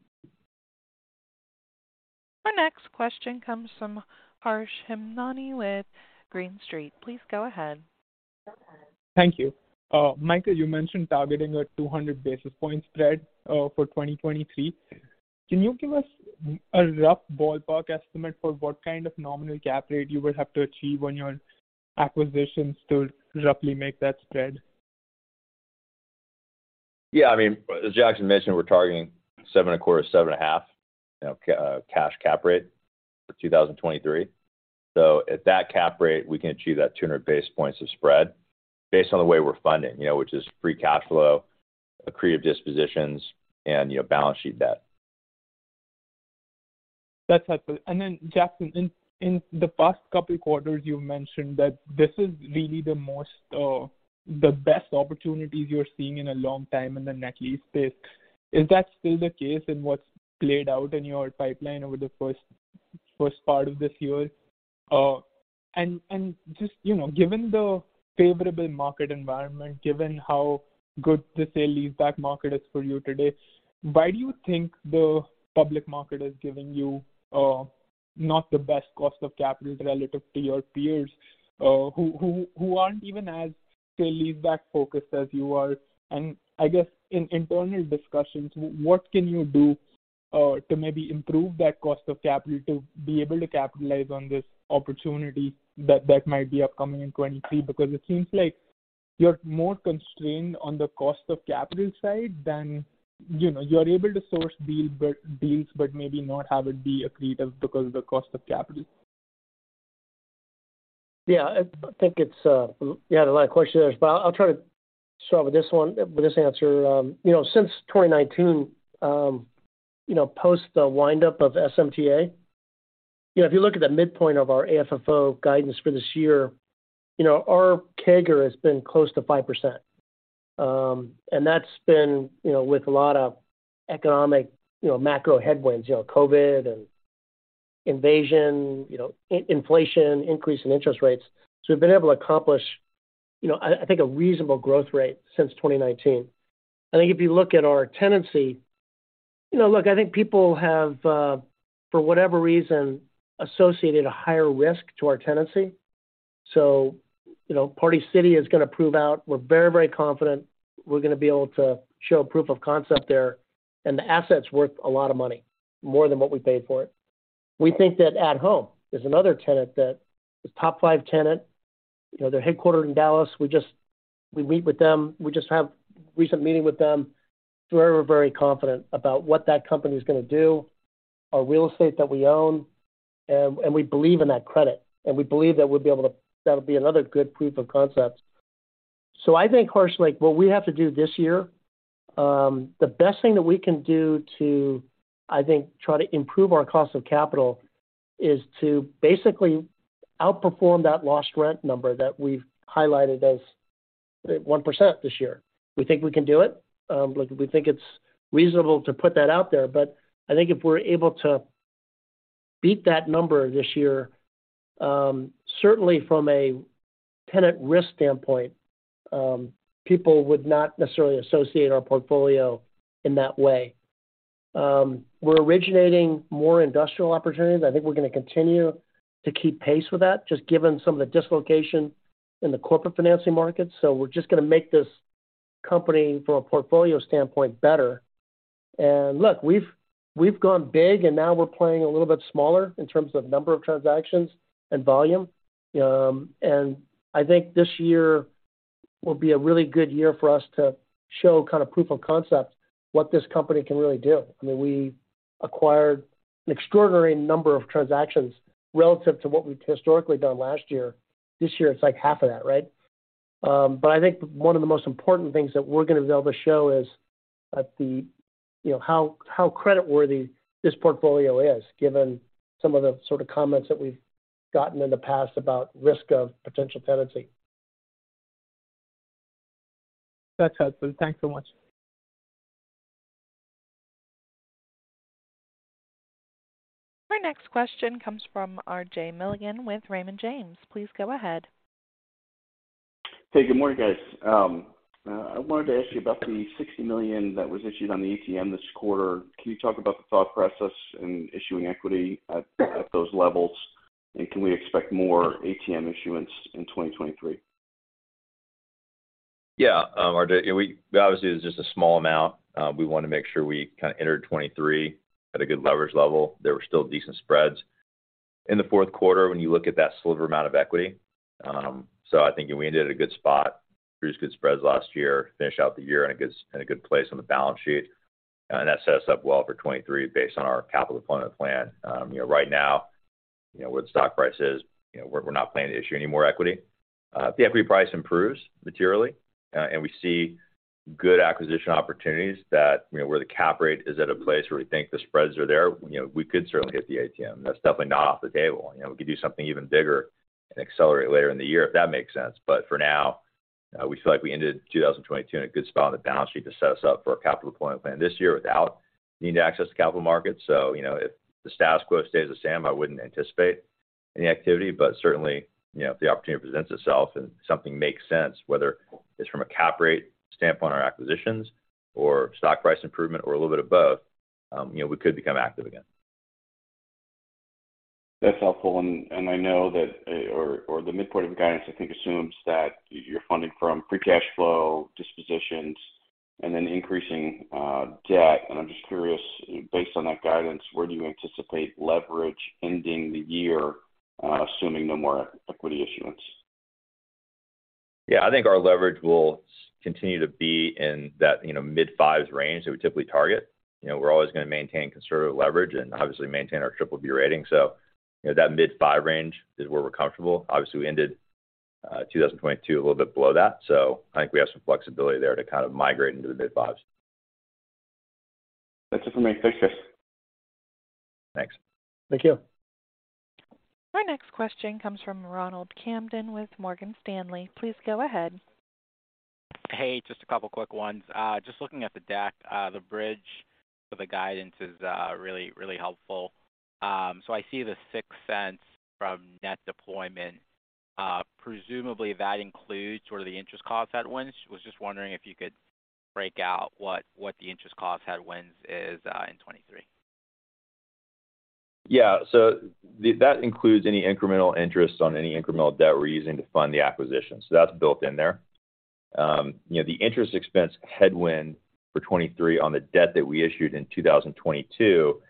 Our next question comes from Harsh Hemnani with Green Street. Please go ahead. Thank you. Michael, you mentioned targeting a 200 basis point spread for 2023. Can you give us a rough ballpark estimate for what kind of nominal cap rate you will have to achieve on your acquisitions to roughly make that spread? Yeah, I mean, as Jackson mentioned, we're targeting 7.25, 7.5, you know, cash cap rate for 2023. At that cap rate, we can achieve that 200 basis points of spread based on the way we're funding, you know, which is free cash flow, accretive dispositions, and, you know, balance sheet debt. That's helpful. Then, Jackson, in the past couple of quarters, you've mentioned that this is really the most, the best opportunities you're seeing in a long time in the net-lease space. Is that still the case in what's played out in your pipeline over the first part of this year? Just, you know, given the favorable market environment, given how good the sale leaseback market is for you today, why do you think the public market is giving you, not the best cost of capital relative to your peers, who aren't even as sale leaseback focused as you are? I guess in internal discussions, what can you do to maybe improve that cost of capital to be able to capitalize on this opportunity that might be upcoming in 2023? It seems like you're more constrained on the cost of capital side than. You know, you're able to source deals, but maybe not have it be accretive because of the cost of capital. I think it's. You had a lot of questions, but I'll try to start with this one, with this answer. You know, since 2019, you know, post the wind up of SMTA, you know, if you look at the midpoint of our AFFO guidance for this year, you know, our CAGR has been close to 5%. And that's been, you know, with a lot of economic, you know, macro headwinds, you know, COVID and invasion, you know, inflation, increase in interest rates. We've been able to accomplish, you know, I think a reasonable growth rate since 2019. I think if you look at our tenancy, you know, look, I think people have, for whatever reason, associated a higher risk to our tenancy. You know, Party City is gonna prove out. We're very, very confident we're gonna be able to show proof of concept there. The asset's worth a lot of money, more than what we paid for it. We think that At Home is another tenant that is top five tenant. You know, they're headquartered in Dallas. We meet with them. We just have recent meeting with them. We're very confident about what that company is gonna do, our real estate that we own, and we believe in that credit, and we believe that that'll be another good proof of concept. I think, Harsh, like, what we have to do this year, the best thing that we can do to, I think, try to improve our cost of capital is to basically outperform that lost rent number that we've highlighted as 1% this year. We think we can do it. Look, we think it's reasonable to put that out there, but I think if we're able to beat that number this year, certainly from a tenant risk standpoint, people would not necessarily associate our portfolio in that way. We're originating more industrial opportunities. I think we're gonna continue to keep pace with that, just given some of the dislocation in the corporate financing market. We're just gonna make this company, from a portfolio standpoint, better. Look, we've gone big, and now we're playing a little bit smaller in terms of number of transactions and volume. I think this year will be a really good year for us to show kind of proof of concept what this company can really do. I mean, we acquired an extraordinary number of transactions relative to what we've historically done last year. This year, it's like half of that, right? I think one of the most important things that we're gonna be able to show is that the, you know, how creditworthy this portfolio is, given some of the sort of comments that we've gotten in the past about risk of potential tenancy. That's helpful. Thanks so much. Our next question comes from R.J. Milligan with Raymond James. Please go ahead. Hey, good morning, guys. I wanted to ask you about the $60 million that was issued on the ATM this quarter. Can you talk about the thought process in issuing equity at those levels? Can we expect more ATM issuance in 2023? R.J., obviously, it was just a small amount. We wanna make sure we kinda entered 2023 at a good leverage level. There were still decent spreads in the fourth quarter when you look at that sliver amount of equity. I think we ended at a good spot. Produced good spreads last year, finish out the year in a good place on the balance sheet, and that sets us up well for 2023 based on our capital deployment plan. You know, right now, you know, where the stock price is, you know, we're not planning to issue any more equity. If the equity price improves materially, and we see good acquisition opportunities that, you know, where the cap rate is at a place where we think the spreads are there, you know, we could certainly hit the ATM. That's definitely not off the table. You know, we could do something even bigger and accelerate later in the year, if that makes sense. For now, we feel like we ended 2022 in a good spot on the balance sheet to set us up for a capital deployment plan this year without needing to access the capital markets. You know, if the status quo stays the same, I wouldn't anticipate any activity. Certainly, you know, if the opportunity presents itself and something makes sense, whether it's from a cap rate standpoint or acquisitions or stock price improvement or a little bit of both, you know, we could become active again. That's helpful. I know that, the midpoint of the guidance, I think, assumes that you're funding from free cash flow, dispositions, and then increasing, debt. I'm just curious, based on that guidance, where do you anticipate leverage ending the year, assuming no more equity issuance? Yeah. I think our leverage will continue to be in that, you know, mid-fives range that we typically target. You know, we're always gonna maintain conservative leverage and obviously maintain our BBB rating. You know, that mid-five range is where we're comfortable. Obviously, we ended 2022 a little bit below that, so I think we have some flexibility there to kind of migrate into the mid-fives. That's it for me. Thanks, Chris. Thanks. Thank you. Our next question comes from Ronald Kamdem with Morgan Stanley. Please go ahead. Hey, just a couple quick ones. Just looking at the deck, the bridge for the guidance is really, really helpful. I see the $0.06 from net deployment. Presumably that includes sort of the interest cost headwinds. Was just wondering if you could break out what the interest cost headwinds is in 2023? That includes any incremental interest on any incremental debt we're using to fund the acquisition. That's built in there. You know, the interest expense headwind for 2023 on the debt that we issued in 2022 is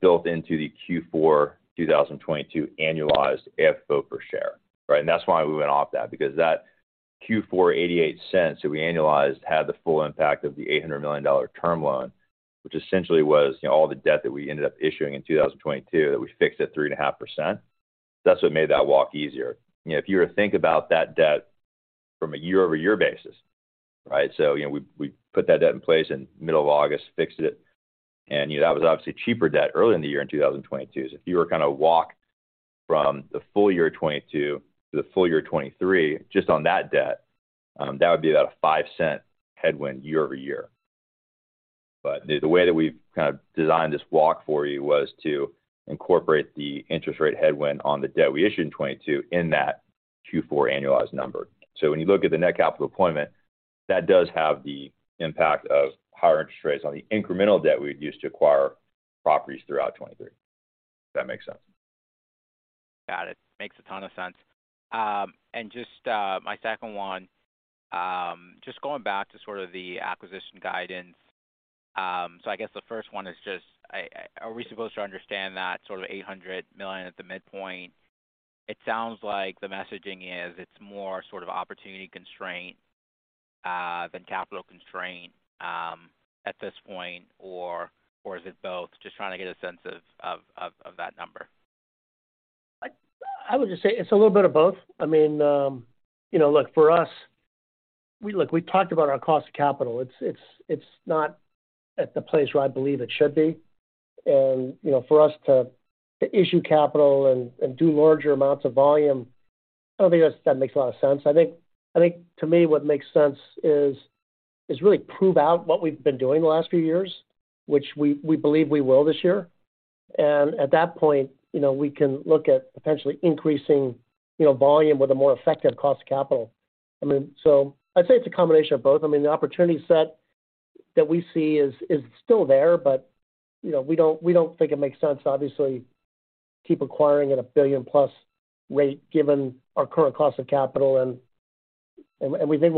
built into the Q4 2022 annualized FFO per share, right? That's why we went off that, because that Q4 $0.88 that we annualized had the full impact of the $800 million term loan, which essentially was, you know, all the debt that we ended up issuing in 2022 that we fixed at 3.5%. That's what made that walk easier. You know, if you were to think about that debt from a year-over-year basis, right? You know, we put that debt in place in middle of August, fixed it, and, you know, that was obviously cheaper debt early in the year in 2022. If you were gonna walk from the full year 2022 to the full year 2023 just on that debt, that would be about a $0.05 headwind year-over-year. The way that we've kind of designed this walk for you was to incorporate the interest rate headwind on the debt we issued in 2022 in that Q4 annualized number. When you look at the net capital deployment, that does have the impact of higher interest rates on the incremental debt we'd use to acquire properties throughout 2023, if that makes sense. Got it. Makes a ton of sense. My second one, just going back to sort of the acquisition guidance. I guess the first one is just, are we supposed to understand that sort of $800 million at the midpoint? It sounds like the messaging is it's more sort of opportunity constraint than capital constraint at this point or is it both? Just trying to get a sense of that number. I would just say it's a little bit of both. I mean, you know, look, for us, we talked about our cost of capital. It's not at the place where I believe it should be. You know, for us to issue capital and do larger amounts of volume, I don't think that makes a lot of sense. I think to me what makes sense is really prove out what we've been doing the last few years, which we believe we will this year. At that point, you know, we can look at potentially increasing, you know, volume with a more effective cost of capital. I mean, I'd say it's a combination of both. I mean, the opportunity set that we see is still there, but, you know, we don't think it makes sense, obviously, keep acquiring at a $1 billion plus rate given our current cost of capital and we think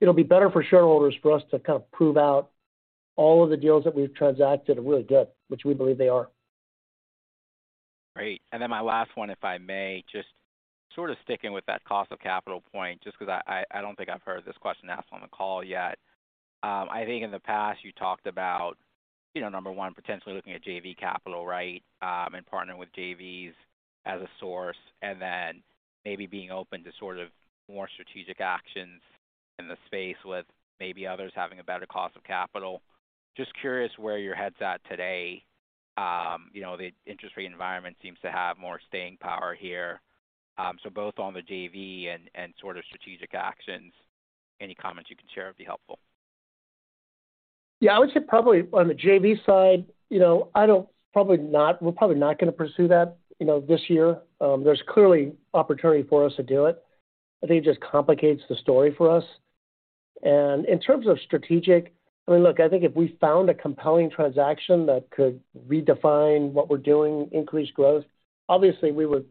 it'll be better for shareholders for us to kind of prove out all of the deals that we've transacted are really good, which we believe they are. Great. My last one, if I may, just sort of sticking with that cost of capital point, just 'cause I don't think I've heard this question asked on the call yet. I think in the past you talked about, you know, number one, potentially looking at JV Capital, right? Partnering with JVs as a source, and then maybe being open to sort of more strategic actions in the space with maybe others having a better cost of capital. Just curious where your head's at today. You know, the interest rate environment seems to have more staying power here. Both on the JV and sort of strategic actions, any comments you can share would be helpful. Yeah. I would say probably on the JV side, you know, we're probably not gonna pursue that, you know, this year. There's clearly opportunity for us to do it. I think it just complicates the story for us. In terms of strategic, I mean, look, I think if we found a compelling transaction that could redefine what we're doing, increase growth, obviously we would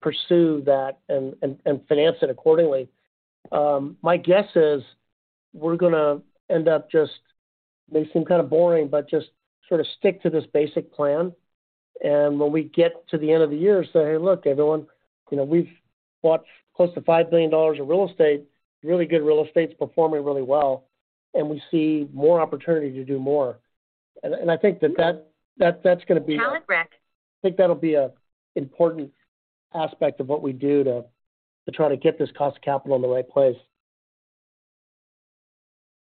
pursue that and finance it accordingly. My guess is we're gonna end up just, may seem kind of boring, but just sort of stick to this basic plan, and when we get to the end of the year, say, "Hey, look, everyone, you know, we've bought close to $5 billion of real estate, really good real estate. It's performing really well, and we see more opportunity to do more." I think that's gonna be. Talent Rec. I think that'll be a important aspect of what we do to try to get this cost of capital in the right place.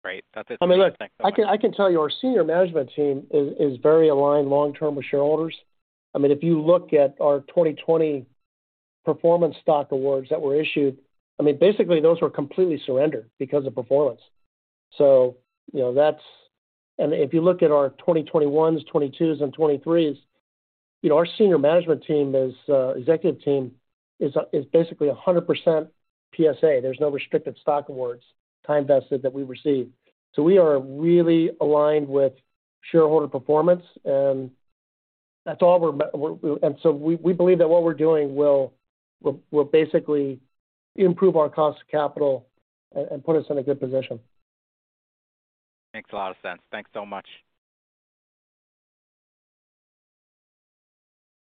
Great. That's it. Thanks so much. I mean, look, I can tell you our senior management team is very aligned long term with shareholders. I mean, if you look at our 2020 performance stock awards that were issued, I mean, basically those were completely surrendered because of performance. You know, that's. If you look at our 2021s, 2022s and 2023s, you know, our senior management team is executive team is basically 100% PSA. There's no restricted stock awards, time vested that we received. We are really aligned with shareholder performance. We believe that what we're doing will basically improve our cost of capital and put us in a good position. Makes a lot of sense. Thanks so much.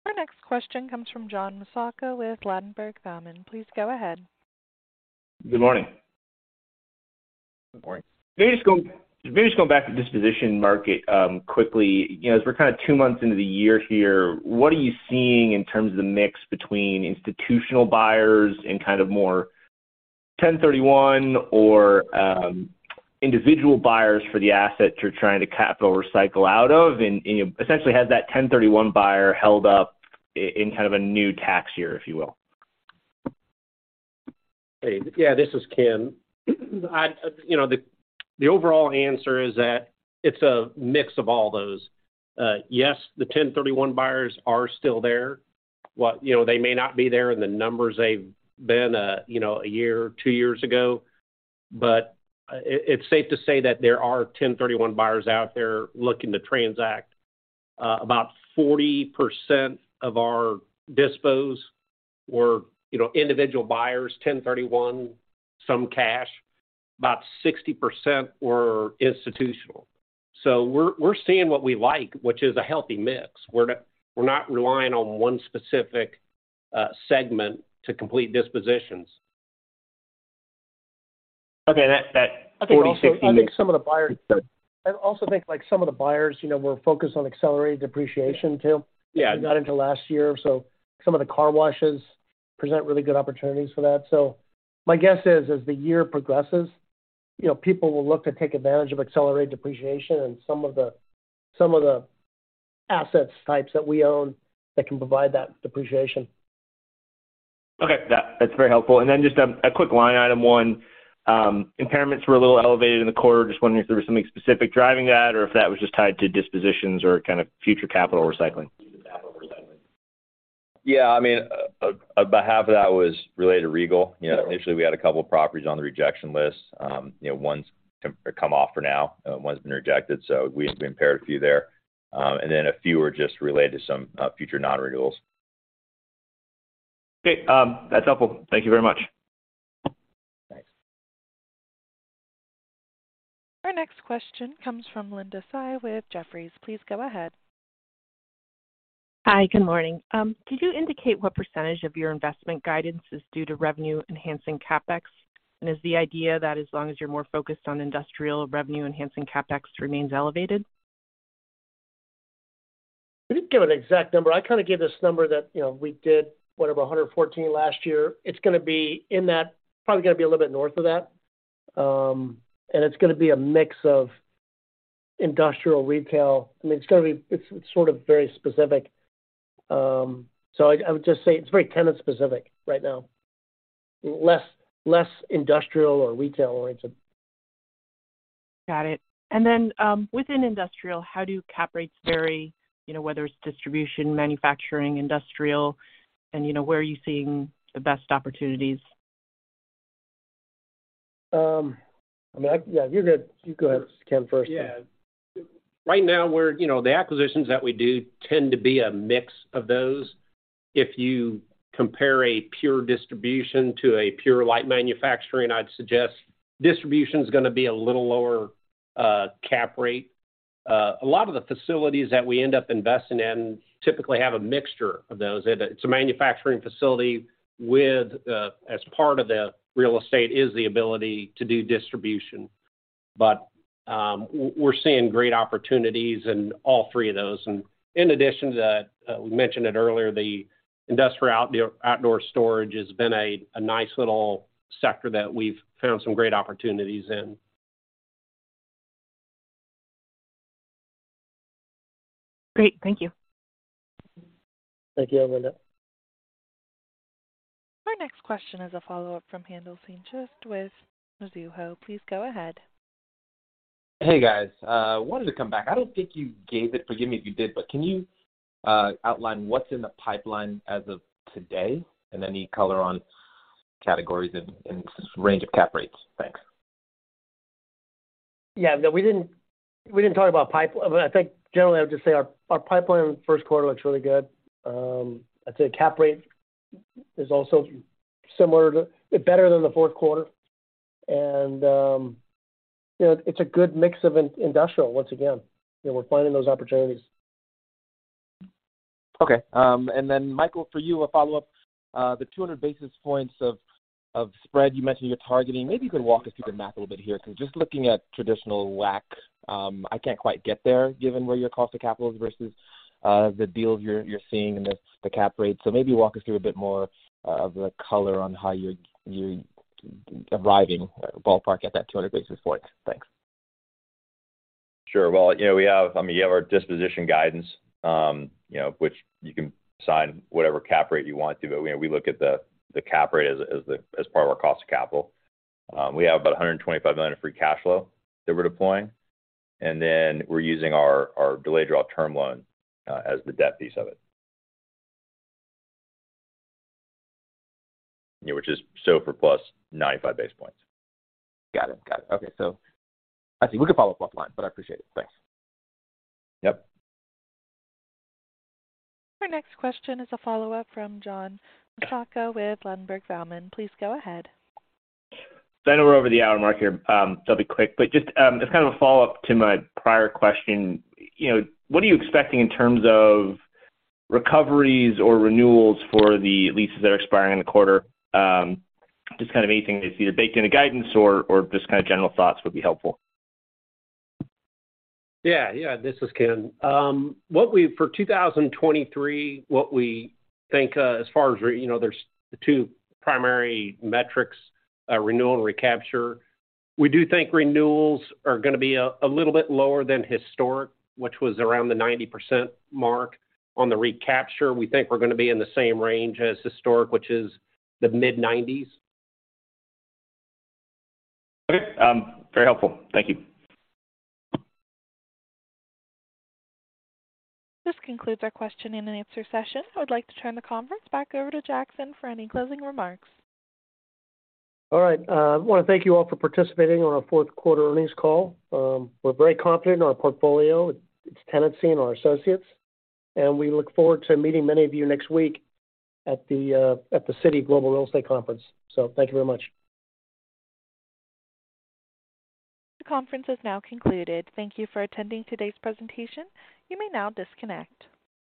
Our next question comes from John Massocca with Ladenburg Thalmann. Please go ahead. Good morning. Good morning. Maybe just going back to disposition market quickly. You know, as we're kind of two months into the year here, what are you seeing in terms of the mix between institutional buyers and kind of more 1031 or individual buyers for the assets you're trying to capital recycle out of and you essentially had that 1031 buyer held up in kind of a new tax year, if you will. Hey. Yeah, this is Ken. You know, the overall answer is that it's a mix of all those. Yes, the 1031 buyers are still there. You know, they may not be there in the numbers they've been, you know, a year or two years ago, but it's safe to say that there are 1031 buyers out there looking to transact. About 40% of our dispos were, you know, individual buyers, 1031, some cash. About 60% were institutional. We're seeing what we like, which is a healthy mix. We're not relying on one specific segment to complete dispositions. Okay. That, 40-60- I also think like some of the buyers, you know, were focused on accelerated depreciation too. Yeah. that got into last year. Some of the car washes present really good opportunities for that. My guess is as the year progresses, you know, people will look to take advantage of accelerated depreciation and some of the, some of the assets types that we own that can provide that depreciation. Okay. That's very helpful. Then just a quick line item one. Impairments were a little elevated in the quarter. Just wondering if there was something specific driving that or if that was just tied to dispositions or kind of future capital recycling. Yeah. I mean, about half of that was related to Regal. You know, initially, we had a couple properties on the rejection list. You know, one's come off for now, one's been rejected, so we had to impair a few there. A few are just related to some future non-Regals. Okay. That's helpful. Thank you very much. Thanks. Our next question comes from Linda Tsai with Jefferies. Please go ahead. Hi. Good morning. Could you indicate what % of your investment guidance is due to revenue enhancing CapEx? Is the idea that as long as you're more focused on industrial revenue, enhancing CapEx remains elevated? I didn't give an exact number. I kind of gave this number that, you know, we did whatever, 114 last year. It's gonna be in that, probably gonna be a little bit north of that. It's gonna be a mix of industrial retail. I mean, it's sort of very specific. I would just say it's very tenant-specific right now. Less industrial or retail-oriented. Got it. Then, within industrial, how do cap rates vary? You know, whether it's distribution, manufacturing, industrial, you know, where are you seeing the best opportunities? I mean, yeah, you're good. You go ahead, Ken, first. Yeah. Right now we're, you know, the acquisitions that we do tend to be a mix of those. If you compare a pure distribution to a pure light manufacturing, I'd suggest distribution's gonna be a little lower, cap rate. A lot of the facilities that we end up investing in typically have a mixture of those. It's a manufacturing facility with, as part of the real estate is the ability to do distribution. We're seeing great opportunities in all three of those. In addition to that, we mentioned it earlier, the industrial outdoor storage has been a nice little sector that we've found some great opportunities in. Great. Thank you. Thank you, Linda. Our next question is a follow-up from Haendel St. Juste, just with Mizuho. Please go ahead. Hey, guys. wanted to come back. I don't think you gave it, forgive me if you did, but can you outline what's in the pipeline as of today and any color on categories and range of cap rates? Thanks. Yeah, no, we didn't talk about pipe. I think generally I would just say our pipeline in the first quarter looks really good. I'd say cap rate is also better than the fourth quarter. You know, it's a good mix of industrial once again, you know, we're finding those opportunities. Michael, for you, a follow-up. The 200 basis points of spread you mentioned you're targeting, maybe you can walk us through the math a little bit here, 'cause just looking at traditional WACC, I can't quite get there given where your cost of capital is versus the deals you're seeing and the cap rate. Maybe walk us through a bit more of the color on how you're arriving or ballpark at that 200 basis point. Thanks. Sure. Well, you know, we have, I mean, you have our disposition guidance, you know, which you can assign whatever cap rate you want to, but, you know, we look at the cap rate as part of our cost of capital. We have about $125 million of free cash flow that we're deploying, and then we're using our delayed draw term loan as the debt piece of it. You know, which is SOFR plus 95 basis points. Got it. Got it. Okay. I see. We can follow up offline. I appreciate it. Thanks. Yep. Our next question is a follow-up from John Massocca with Ladenburg Thalmann. Please go ahead. I know we're over the hour mark here, so I'll be quick. Just, it's kind of a follow-up to my prior question. You know, what are you expecting in terms of recoveries or renewals for the leases that are expiring in the quarter? Just kind of anything that's either baked into guidance or just kind of general thoughts would be helpful. Yeah. This is Ken. For 2023, what we think, you know, there's the two primary metrics, renewal and recapture. We do think renewals are gonna be a little bit lower than historic, which was around the 90% mark. On the recapture, we think we're gonna be in the same range as historic, which is the mid-nineties. Okay. Very helpful. Thank you. This concludes our question and answer session. I would like to turn the conference back over to Jackson for any closing remarks. All right. I wanna thank you all for participating on our fourth quarter earnings call. We're very confident in our portfolio, its tenancy, and our associates, and we look forward to meeting many of you next week at the Citi Global Property CEO Conference. Thank you very much. The conference has now concluded. Thank you for attending today's presentation. You may now disconnect.